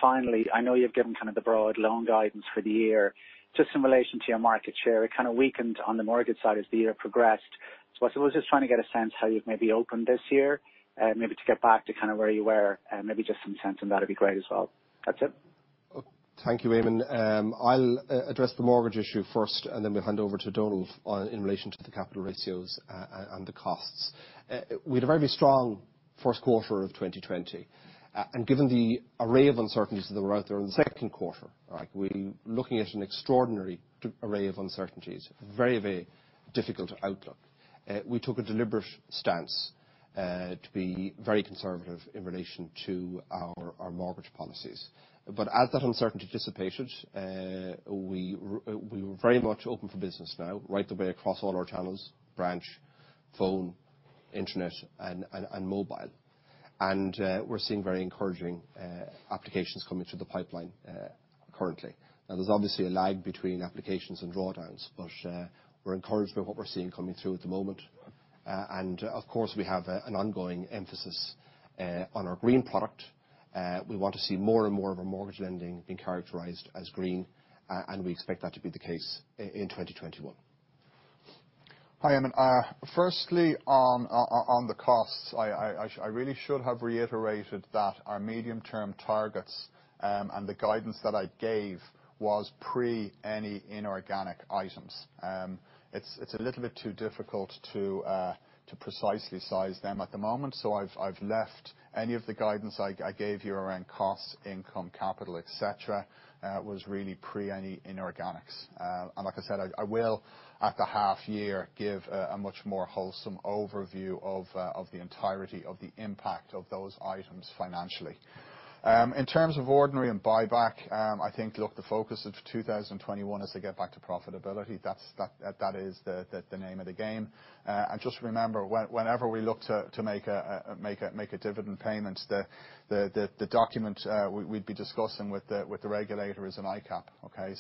Finally, I know you've given kind of the broad loan guidance for the year. Just in relation to your market share, it kind of weakened on the mortgage side as the year progressed. I was just trying to get a sense how you've maybe opened this year, maybe to get back to kind of where you were, maybe just some sense on that'd be great as well. That's it. Thank you, Eamonn. I'll address the mortgage issue first, then we'll hand over to Donal in relation to the capital ratios and the costs. We had a very strong first quarter of 2020. Given the array of uncertainties that were out there in the second quarter, we're looking at an extraordinary array of uncertainties, very difficult outlook. We took a deliberate stance to be very conservative in relation to our mortgage policies. As that uncertainty dissipated, we were very much open for business now, right the way across all our channels, branch, phone, internet and mobile. We're seeing very encouraging applications coming through the pipeline currently. Now, there's obviously a lag between applications and drawdowns, but we're encouraged by what we're seeing coming through at the moment. Of course, we have an ongoing emphasis on our green product. We want to see more and more of our mortgage lending being characterized as green, and we expect that to be the case in 2021. Hi, Eamonn. Firstly, on the costs, I really should have reiterated that our medium-term targets, and the guidance that I gave was pre any inorganic items. It's a little bit too difficult to precisely size them at the moment. I've left any of the guidance I gave you around costs, income, capital, et cetera, was really pre any inorganics. Like I said, I will, at the half year, give a much more wholesome overview of the entirety of the impact of those items financially. In terms of ordinary and buyback, I think, look, the focus of 2021 is to get back to profitability. That is the name of the game. Just remember, whenever we look to make a dividend payment, the document we'd be discussing with the regulator is an ICAAP. Okay,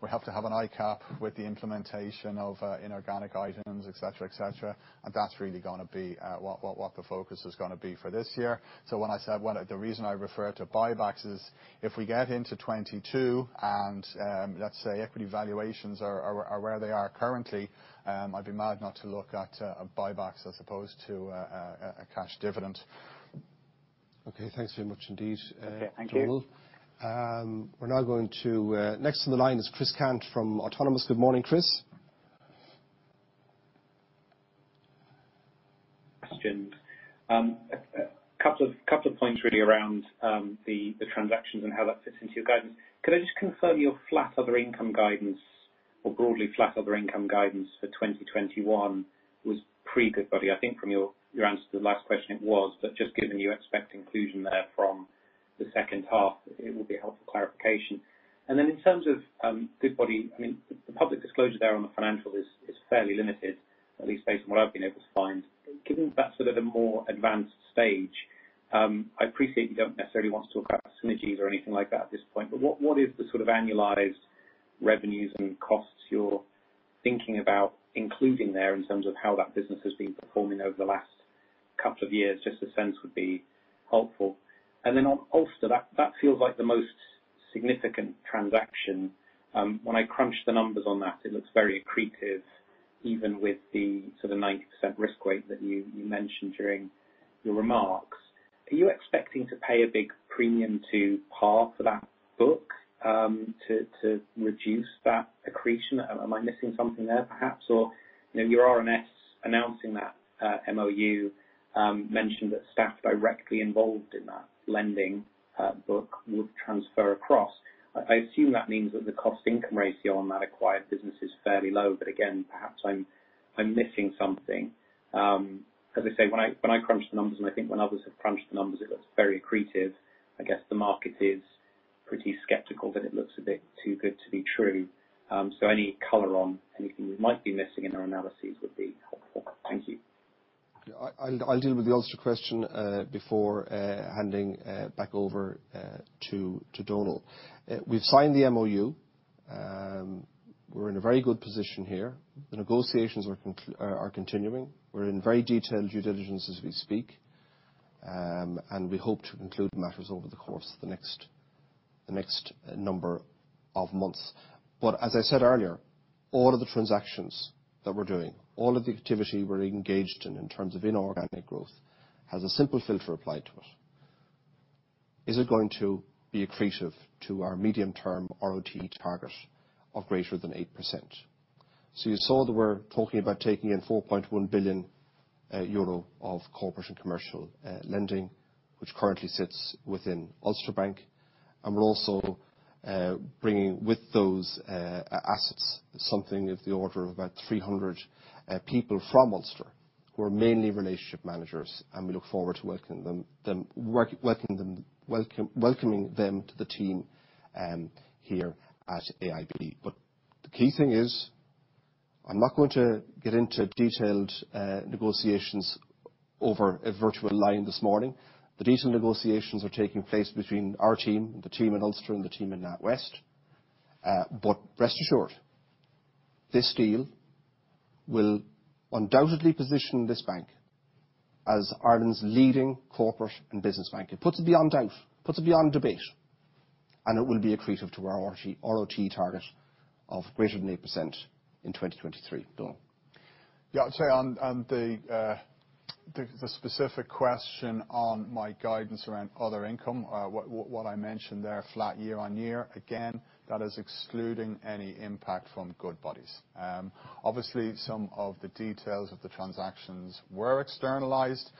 we have to have an ICAAP with the implementation of inorganic items, et cetera. That's really going to be what the focus is going to be for this year. When I said the reason I refer to buybacks is if we get into 2022, and, let's say equity valuations are where they are currently, I'd be mad not to look at buybacks as opposed to a cash dividend. Okay, thanks very much indeed- Okay, thank you. Donal. Next on the line is Chris Cant from Autonomous. Good morning, Chris. Question. Couple of points really around the transactions and how that fits into your guidance. Could I just confirm your flat other income guidance or broadly flat other income guidance for 2021 was pre Goodbody. I think from your answer to the last question it was, but just given you expect inclusion there from the second half, it would be a helpful clarification. In terms of Goodbody, the public disclosure there on the financials is fairly limited, at least based on what I've been able to find. Given that sort of a more advanced stage, I appreciate you don't necessarily want to talk about synergies or anything like that at this point, but what is the sort of annualized revenues and costs you're thinking about including there in terms of how that business has been performing over the last couple of years? Just a sense would be helpful. Then on Ulster, that feels like the most significant transaction. When I crunch the numbers on that, it looks very accretive, even with the sort of 90% risk weight that you mentioned during your remarks. Are you expecting to pay a big premium to par for that book to reduce that accretion? Am I missing something there perhaps? Your remarks announcing that MOU mentioned that staff directly involved in that lending book would transfer across. I assume that means that the cost income ratio on that acquired business is fairly low. Again, perhaps I'm missing something. As I say, when I crunch the numbers, and I think when others have crunched the numbers, it looks very accretive. I guess the market is pretty skeptical that it looks a bit too good to be true. Any color on anything we might be missing in our analysis would be helpful. Thank you. I'll deal with the Ulster question, before handing back over to Donal. We've signed the MOU. We're in a very good position here. The negotiations are continuing. We're in very detailed due diligence as we speak, and we hope to conclude matters over the course of the next number of months. As I said earlier, all of the transactions that we're doing, all of the activity we're engaged in terms of inorganic growth, has a simple filter applied to it. Is it going to be accretive to our medium-term RoTE target of greater than 8%? You saw that we're talking about taking in 4.1 billion euro of corporate and commercial lending, which currently sits within Ulster Bank. We're also bringing with those assets something of the order of about 300 people from Ulster who are mainly relationship managers, and we look forward to welcoming them to the team here at AIB. The key thing is, I'm not going to get into detailed negotiations over a virtual line this morning. The detailed negotiations are taking place between our team, the team at Ulster and the team in NatWest. Rest assured, this deal will undoubtedly position this bank as Ireland's leading corporate and business bank. It puts it beyond doubt, puts it beyond debate, and it will be accretive to our RoTE target of greater than 8% in 2023. Donal. Yeah, I'd say on the specific question on my guidance around other income, what I mentioned there, flat year-on-year, again, that is excluding any impact from Goodbody. Obviously, some of the details of the transactions were externalized.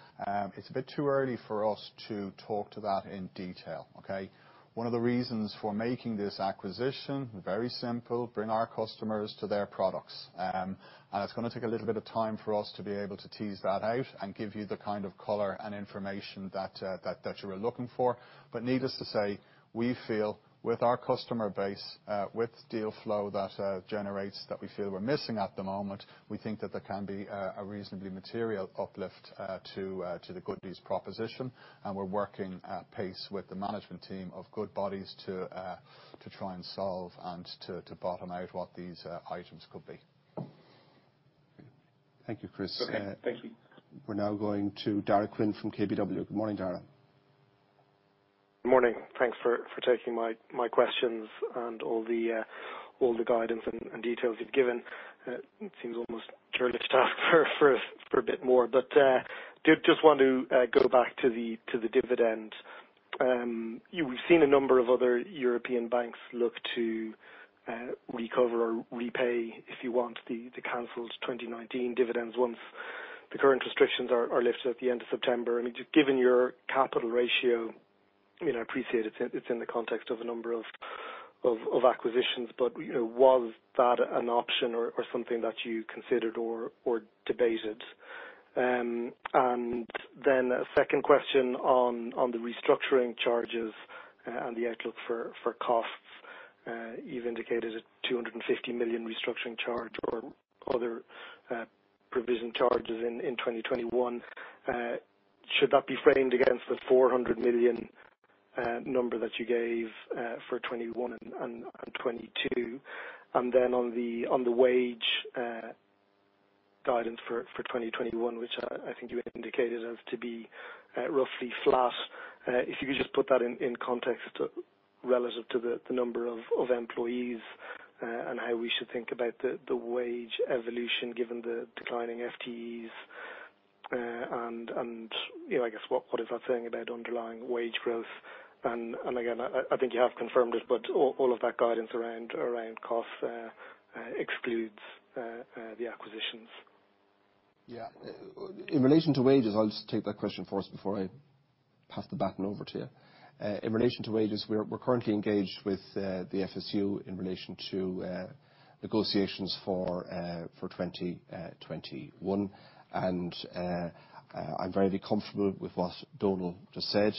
It's a bit too early for us to talk to that in detail. Okay. One of the reasons for making this acquisition, very simple, bring our customers to their products. It's going to take a little bit of time for us to be able to tease that out and give you the kind of color and information that you were looking for. Needless to say, we feel with our customer base, with deal flow that generates that we feel we're missing at the moment, we think that there can be a reasonably material uplift to the Goodbody's proposition. We're working at pace with the management team of Goodbody's to try and solve and to bottom out what these items could be. Thank you, Chris. Okay. Thank you. We're now going to Daragh Quinn from KBW. Good morning, Daragh. Good morning. Thanks for taking my questions and all the guidance and details you've given. It seems almost churlish to ask for a bit more, but did just want to go back to the dividend. We've seen a number of other European banks look to recover or repay, if you want, the canceled 2019 dividends once the current restrictions are lifted at the end of September. Given your capital ratio, I appreciate it's in the context of a number of acquisitions, but was that an option or something that you considered or debated? A second question on the restructuring charges and the outlook for costs. You've indicated a 250 million restructuring charge or other provision charges in 2021. Should that be framed against the 400 million number that you gave for 2021 and 2022? Then on the wage guidance for 2021, which I think you indicated as to be roughly flat, if you could just put that in context relative to the number of employees and how we should think about the wage evolution given the declining FTEs, and I guess what is that saying about underlying wage growth? Again, I think you have confirmed it, but all of that guidance around costs excludes the acquisitions. In relation to wages, I'll just take that question first before I pass the baton over to you. In relation to wages, we're currently engaged with the FSU in relation to negotiations for 2021. I'm very comfortable with what Donal just said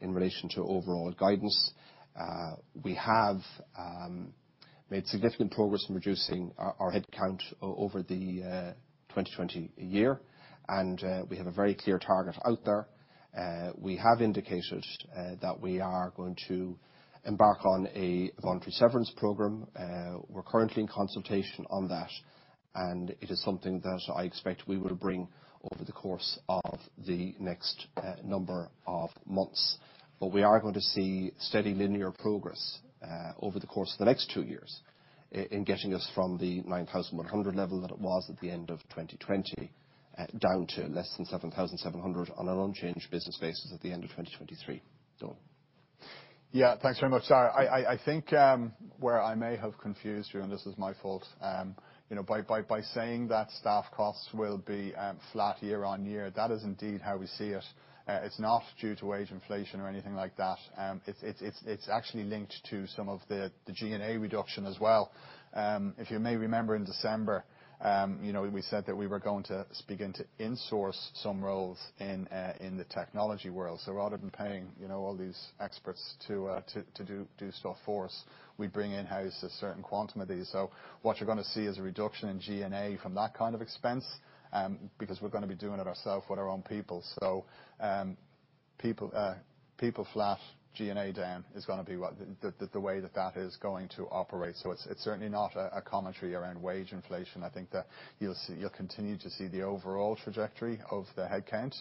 in relation to overall guidance. We have made significant progress in reducing our head count over the 2020 year, and we have a very clear target out there. We have indicated that we are going to embark on a voluntary severance program. We're currently in consultation on that, and it is something that I expect we will bring over the course of the next number of months. We are going to see steady linear progress over the course of the next two years in getting us from the 9,100 level that it was at the end of 2020, down to less than 7,700 on an unchanged business basis at the end of 2023. Donal. Yeah. Thanks very much. I think where I may have confused you, and this is my fault, by saying that staff costs will be flat year on year, that is indeed how we see it. It's not due to wage inflation or anything like that. It's actually linked to some of the G&A reduction as well. If you may remember in December, we said that we were going to begin to insource some roles in the technology world. Rather than paying all these experts to do stuff for us, we bring in-house a certain quantum of these. What you're going to see is a reduction in G&A from that kind of expense, because we're going to be doing it ourself with our own people. People flat, G&A down is going to be the way that that is going to operate. It's certainly not a commentary around wage inflation. I think that you'll continue to see the overall trajectory of the head count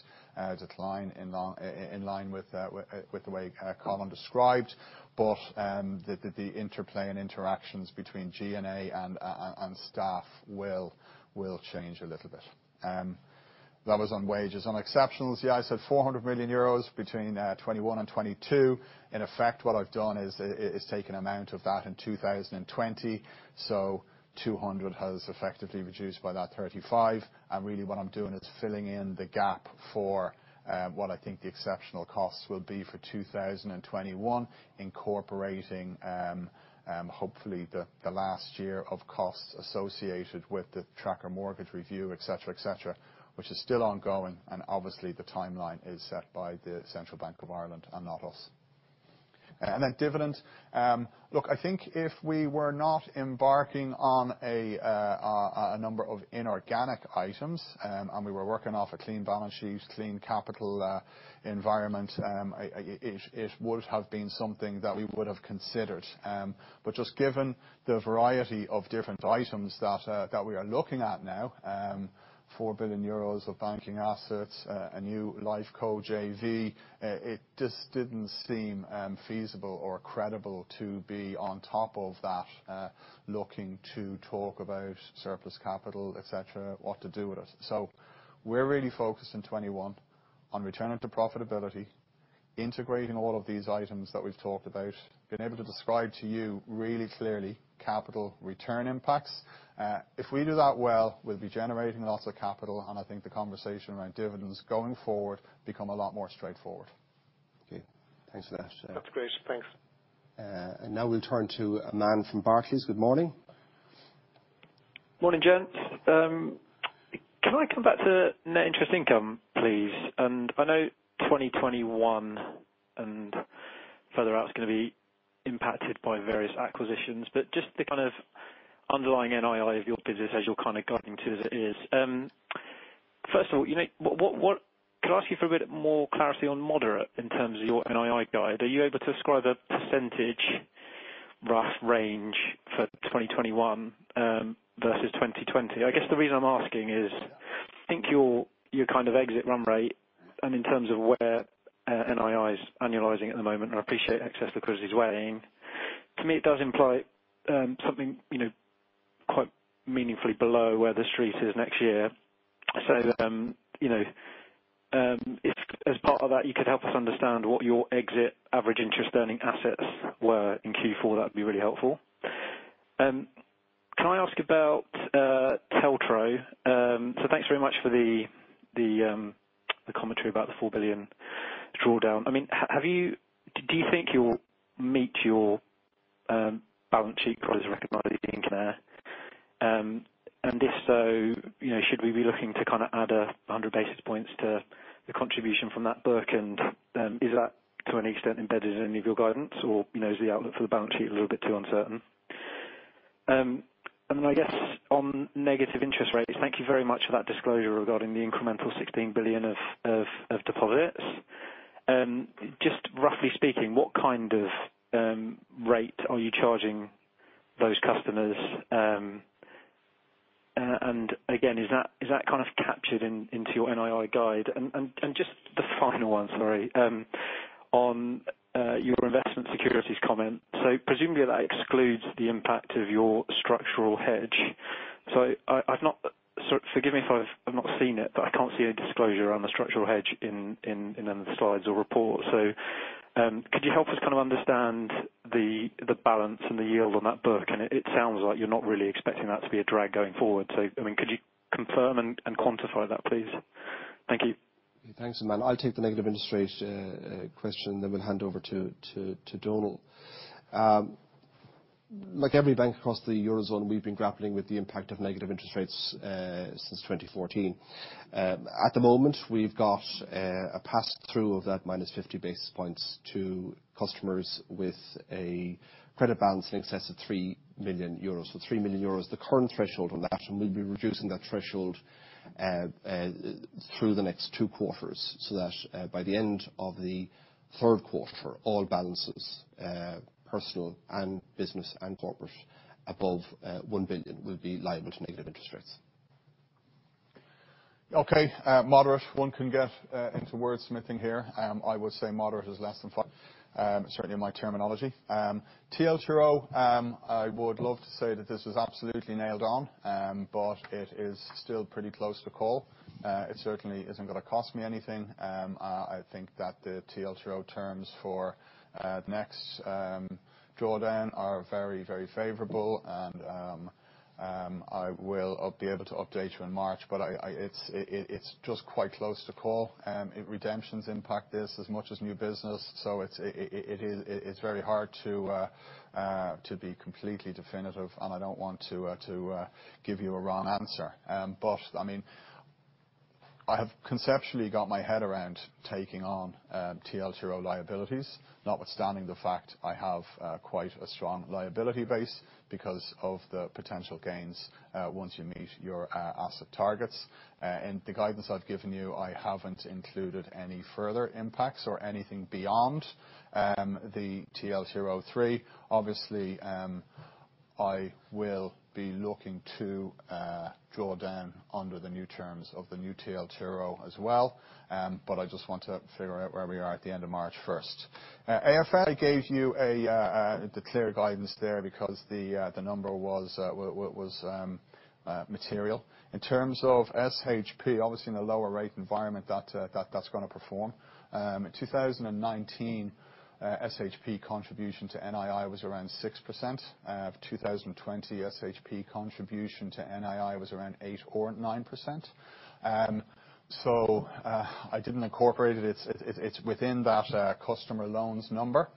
decline in line with the way Colin described. The interplay and interactions between G&A and staff will change a little bit. That was on wages. On exceptionals, I said 400 million euros between 2021 and 2022. In effect, what I've done is taken amount of that in 2020, so 200 has effectively reduced by that 35. Really what I'm doing is filling in the gap for what I think the exceptional costs will be for 2021, incorporating hopefully the last year of costs associated with the tracker mortgage review, et cetera. Which is still ongoing, and obviously the timeline is set by the Central Bank of Ireland and not us. Then dividend. I think if we were not embarking on a number of inorganic items, we were working off a clean balance sheet, clean capital environment, it would have been something that we would have considered. Just given the variety of different items that we are looking at now, 4 billion euros of banking assets, a new life co JV, it just didn't seem feasible or credible to be on top of that, looking to talk about surplus capital, et cetera, what to do with it. We're really focused in 2021 on returning to profitability, integrating all of these items that we've talked about, being able to describe to you really clearly capital return impacts. If we do that well, we'll be generating lots of capital, I think the conversation around dividends going forward become a lot more straightforward. Okay. Thanks for that. That's great. Thanks. Now we'll turn to Aman from Barclays. Good morning. Morning, gents. Can I come back to net interest income, please? I know 2021 and further out's going to be impacted by various acquisitions, but just the kind of underlying NII of your business as you're kind of guiding to it. Can I ask you for a bit more clarity on moderate in terms of your NII guide? Are you able to describe a percentage rough range for 2021 versus 2020? I guess the reason I'm asking is, think your kind of exit run rate, and in terms of where NII's annualizing at the moment, and I appreciate access to credit is waning. To me, it does imply something quite meaningfully below where the street is next year. If as part of that, you could help us understand what your exit average interest earning assets were in Q4, that'd be really helpful. Can I ask about TLTRO? Thanks very much for the commentary about the 4 billion drawdown. Do you think you'll meet your balance sheet cost as recognized at the end of the year? If so, should we be looking to kind of add 100 basis points to the contribution from that book, and is that to any extent embedded in any of your guidance or is the outlook for the balance sheet a little bit too uncertain? I guess on negative interest rates, thank you very much for that disclosure regarding the incremental 16 billion of deposits. Just roughly speaking, what kind of rate are you charging those customers? Again, is that kind of captured into your NII guide? Just the final one, sorry, on your investment securities comment. Presumably that excludes the impact of your structural hedge. Forgive me if I've not seen it, but I can't see a disclosure on the structural hedge in any of the slides or report. Could you help us kind of understand the balance and the yield on that book? It sounds like you're not really expecting that to be a drag going forward. Could you confirm and quantify that, please? Thank you. Thanks, Aman. I'll take the negative interest rate question. We'll hand over to Donal. Like every bank across the Eurozone, we've been grappling with the impact of negative interest rates since 2014. At the moment, we've got a pass-through of that minus 50 basis points to customers with a credit balance in excess of 3 million euros. 3 million euros, the current threshold on that. We'll be reducing that threshold through the next two quarters, so that by the end of the third quarter, all balances, personal and business and corporate above 1 billion will be liable to negative interest rates. Okay. Moderate. One can get into word-smithing here. I would say moderate is less than five, certainly in my terminology. TLTRO, I would love to say that this was absolutely nailed on, but it is still pretty close to call. It certainly isn't going to cost me anything. I think that the TLTRO terms for next drawdown are very, very favorable, and I will be able to update you in March. It's just quite close to call. Redemptions impact this as much as new business, so it's very hard to be completely definitive, and I don't want to give you a wrong answer. I have conceptually got my head around taking on TLTRO liabilities, notwithstanding the fact I have quite a strong liability base because of the potential gains, once you meet your asset targets. In the guidance I've given you, I haven't included any further impacts or anything beyond the TLTRO III. I will be looking to draw down under the new terms of the new TLTRO as well, but I just want to figure out where we are at the end of March first. AFI gave you the clear guidance there because the number was material. In terms of SHP, obviously in a lower rate environment that's going to perform. In 2019, SHP contribution to NII was around 6%. 2020, SHP contribution to NII was around eight or 9%. I didn't incorporate it. It's within that customer loans number.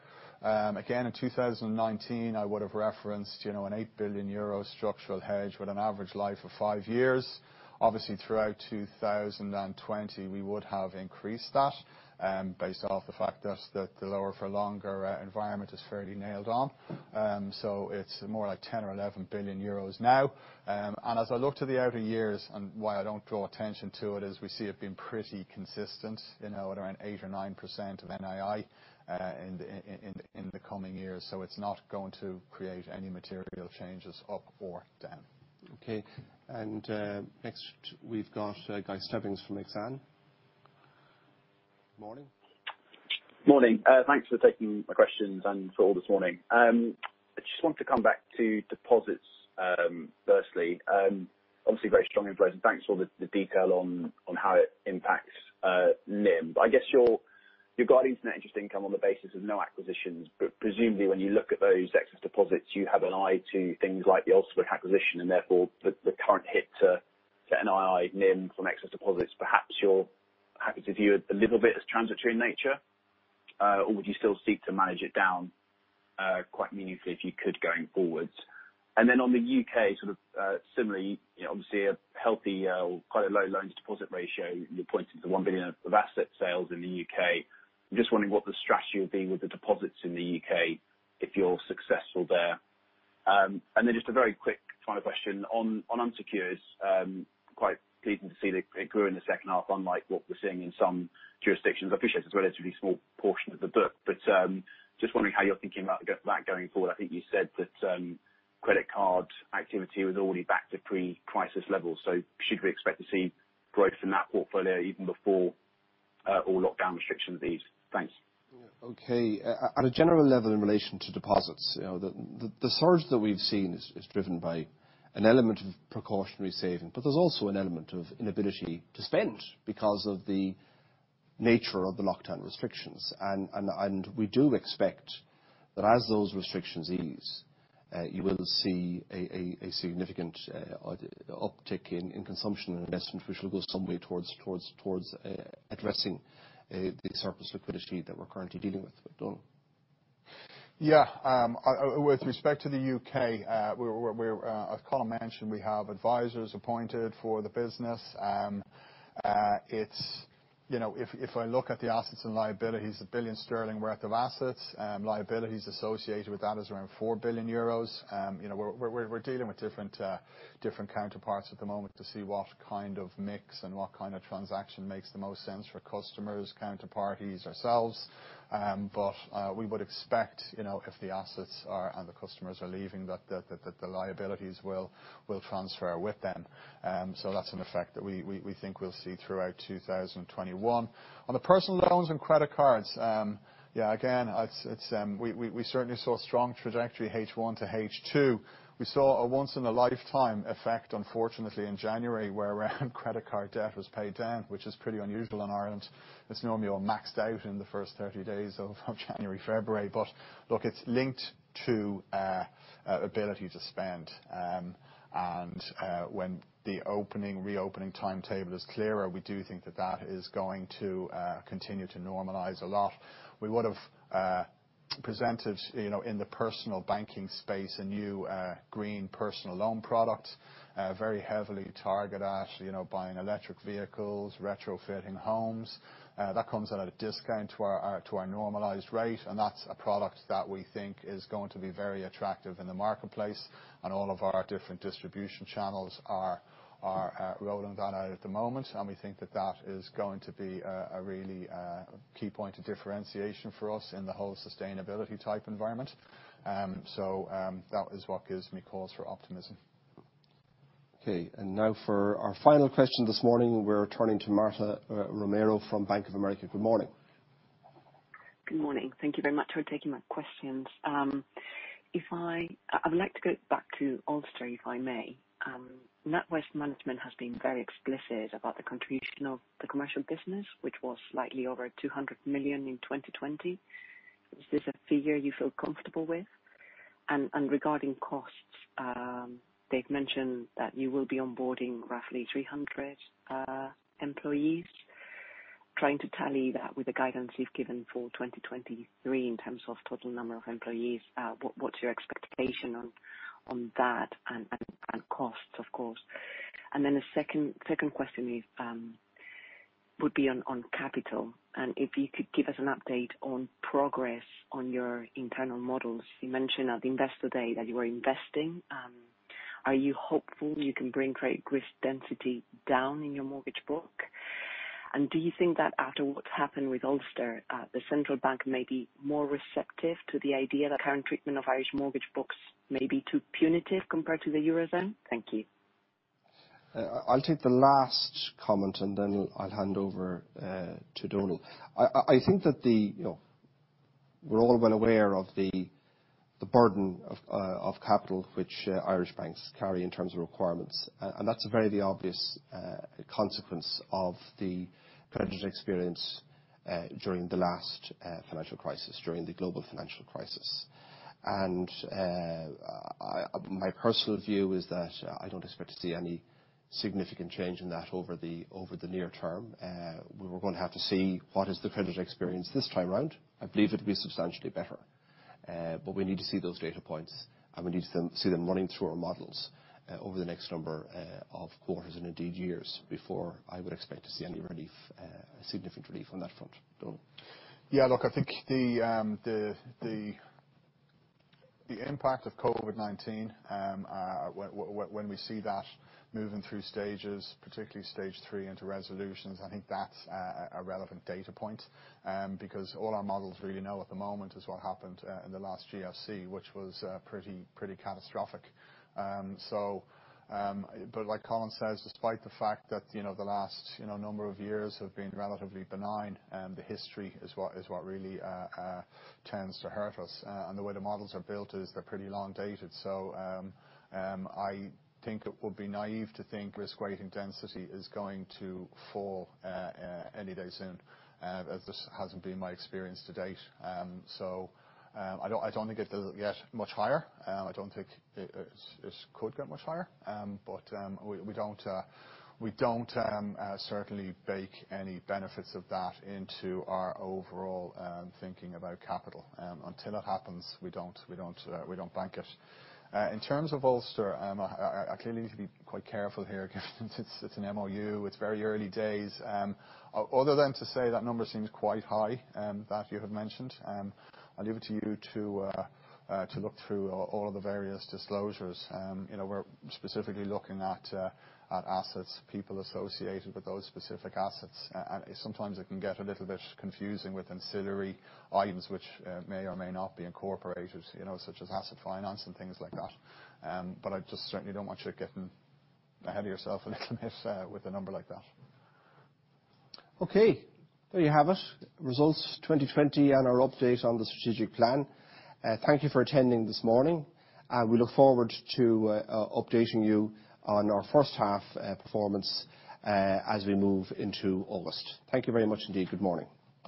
In 2019, I would have referenced an 8 billion euro structural hedge with an average life of five years. Throughout 2020, we would have increased that, based off the fact that the lower for longer environment is fairly nailed on. It's more like 10 or 11 billion euros now. As I look to the outer years, and why I don't draw attention to it, is we see it being pretty consistent, at around 8% or 9% of NII in the coming years. It's not going to create any material changes up or down. Okay. Next we've got Guy Stebbings from Exane. Morning. Morning. Thanks for taking my questions and for all this morning. I just wanted to come back to deposits, firstly. Obviously very strong influence, thanks for all the detail on how it impacts NIM. I guess your guidance net interest income on the basis of no acquisitions, but presumably when you look at those excess deposits, you have an eye to things like the ultimate acquisition and therefore the current hit to NII NIM from excess deposits. Perhaps you view it a little bit as transitory in nature? Would you still seek to manage it down quite meaningfully if you could, going forwards? On the U.K., sort of similarly, obviously a healthy or quite a low loans deposit ratio. You're pointing to 1 billion of asset sales in the U.K. I'm just wondering what the strategy would be with the deposits in the U.K. if you're successful there. Just a very quick final question on unsecured. Quite pleasing to see that it grew in the second half unlike what we're seeing in some jurisdictions. I appreciate it's a relatively small portion of the book, but just wondering how you're thinking about that going forward. I think you said that credit card activity was already back to pre-crisis levels. Should we expect to see growth in that portfolio even before all lockdown restrictions ease? Thanks. Okay. At a general level in relation to deposits, the surge that we've seen is driven by an element of precautionary saving, but there's also an element of inability to spend because of the nature of the lockdown restrictions. We do expect that as those restrictions ease, you will see a significant uptick in consumption and investment, which will go some way towards addressing the surplus liquidity that we're currently dealing with. Donal. With respect to the U.K., as Colin mentioned, we have advisors appointed for the business. If I look at the assets and liabilities, 1 billion sterling worth of assets, liabilities associated with that is around 4 billion euros. We're dealing with different counterparts at the moment to see what kind of mix and what kind of transaction makes the most sense for customers, counterparties, ourselves. We would expect, if the assets are, and the customers are leaving, that the liabilities will transfer with them. That's an effect that we think we'll see throughout 2021. On the personal loans and credit cards, again, we certainly saw strong trajectory H1 to H2. We saw a once in a lifetime effect, unfortunately, in January, where around credit card debt was paid down, which is pretty unusual in Ireland. It's normally all maxed out in the first 30 days of January, February. Look, it's linked to ability to spend. When the reopening timetable is clearer, we do think that that is going to continue to normalize a lot. We would have presented, in the personal banking space, a new green personal loan product, very heavily targeted at buying electric vehicles, retrofitting homes. That comes at a discount to our normalized rate, and that's a product that we think is going to be very attractive in the marketplace, and all of our different distribution channels are rolling that out at the moment. We think that that is going to be a really key point of differentiation for us in the whole sustainability type environment. That is what gives me cause for optimism. Okay. Now for our final question this morning, we are turning to Marta Romero from Bank of America. Good morning. Good morning. Thank you very much for taking my questions. I would like to go back to Ulster, if I may. NatWest Management has been very explicit about the contribution of the commercial business, which was slightly over 200 million in 2020. Is this a figure you feel comfortable with? Regarding costs, they've mentioned that you will be onboarding roughly 300 employees. Trying to tally that with the guidance you've given for 2023 in terms of total number of employees, what's your expectation on that and costs, of course? The second question would be on capital, and if you could give us an update on progress on your internal models. You mentioned at Investor Day that you were investing. Are you hopeful you can bring credit risk density down in your mortgage book? Do you think that after what's happened with Ulster, the Central Bank may be more receptive to the idea that current treatment of Irish mortgage books may be too punitive compared to the Eurozone? Thank you. I'll take the last comment, then I'll hand over to Donal. I think that we're all well aware of the burden of capital which Irish banks carry in terms of requirements. That's a very obvious consequence of the credit experience during the last financial crisis, during the global financial crisis. My personal view is that I don't expect to see any significant change in that over the near term. We're going to have to see what is the credit experience this time around. I believe it'll be substantially better. We need to see those data points, and we need to see them running through our models over the next number of quarters, and indeed years, before I would expect to see any significant relief on that front. Donal. Yeah, look, I think the impact of COVID-19, when we see that moving through stages, particularly Stage 3 into resolutions, I think that's a relevant data point. All our models really know at the moment is what happened in the last GFC, which was pretty catastrophic. Like Colin says, despite the fact that the last number of years have been relatively benign, the history is what really tends to hurt us. The way the models are built is they're pretty long-dated. I think it would be naive to think risk weighting density is going to fall any day soon, as this hasn't been my experience to date. I don't think it'll get much higher. I don't think it could get much higher. We don't certainly bake any benefits of that into our overall thinking about capital. Until it happens, we don't bank it. In terms of Ulster, I clearly need to be quite careful here because it's an MOU. It's very early days. Other than to say that number seems quite high, that you have mentioned. I'll leave it to you to look through all of the various disclosures. We're specifically looking at assets, people associated with those specific assets. Sometimes it can get a little bit confusing with ancillary items which may or may not be incorporated, such as asset finance and things like that. I just certainly don't want you getting ahead of yourself a little bit with a number like that. Okay, there you have it, results 2020 and our update on the strategic plan. Thank you for attending this morning. We look forward to updating you on our first half performance as we move into August. Thank you very much indeed. Good morning.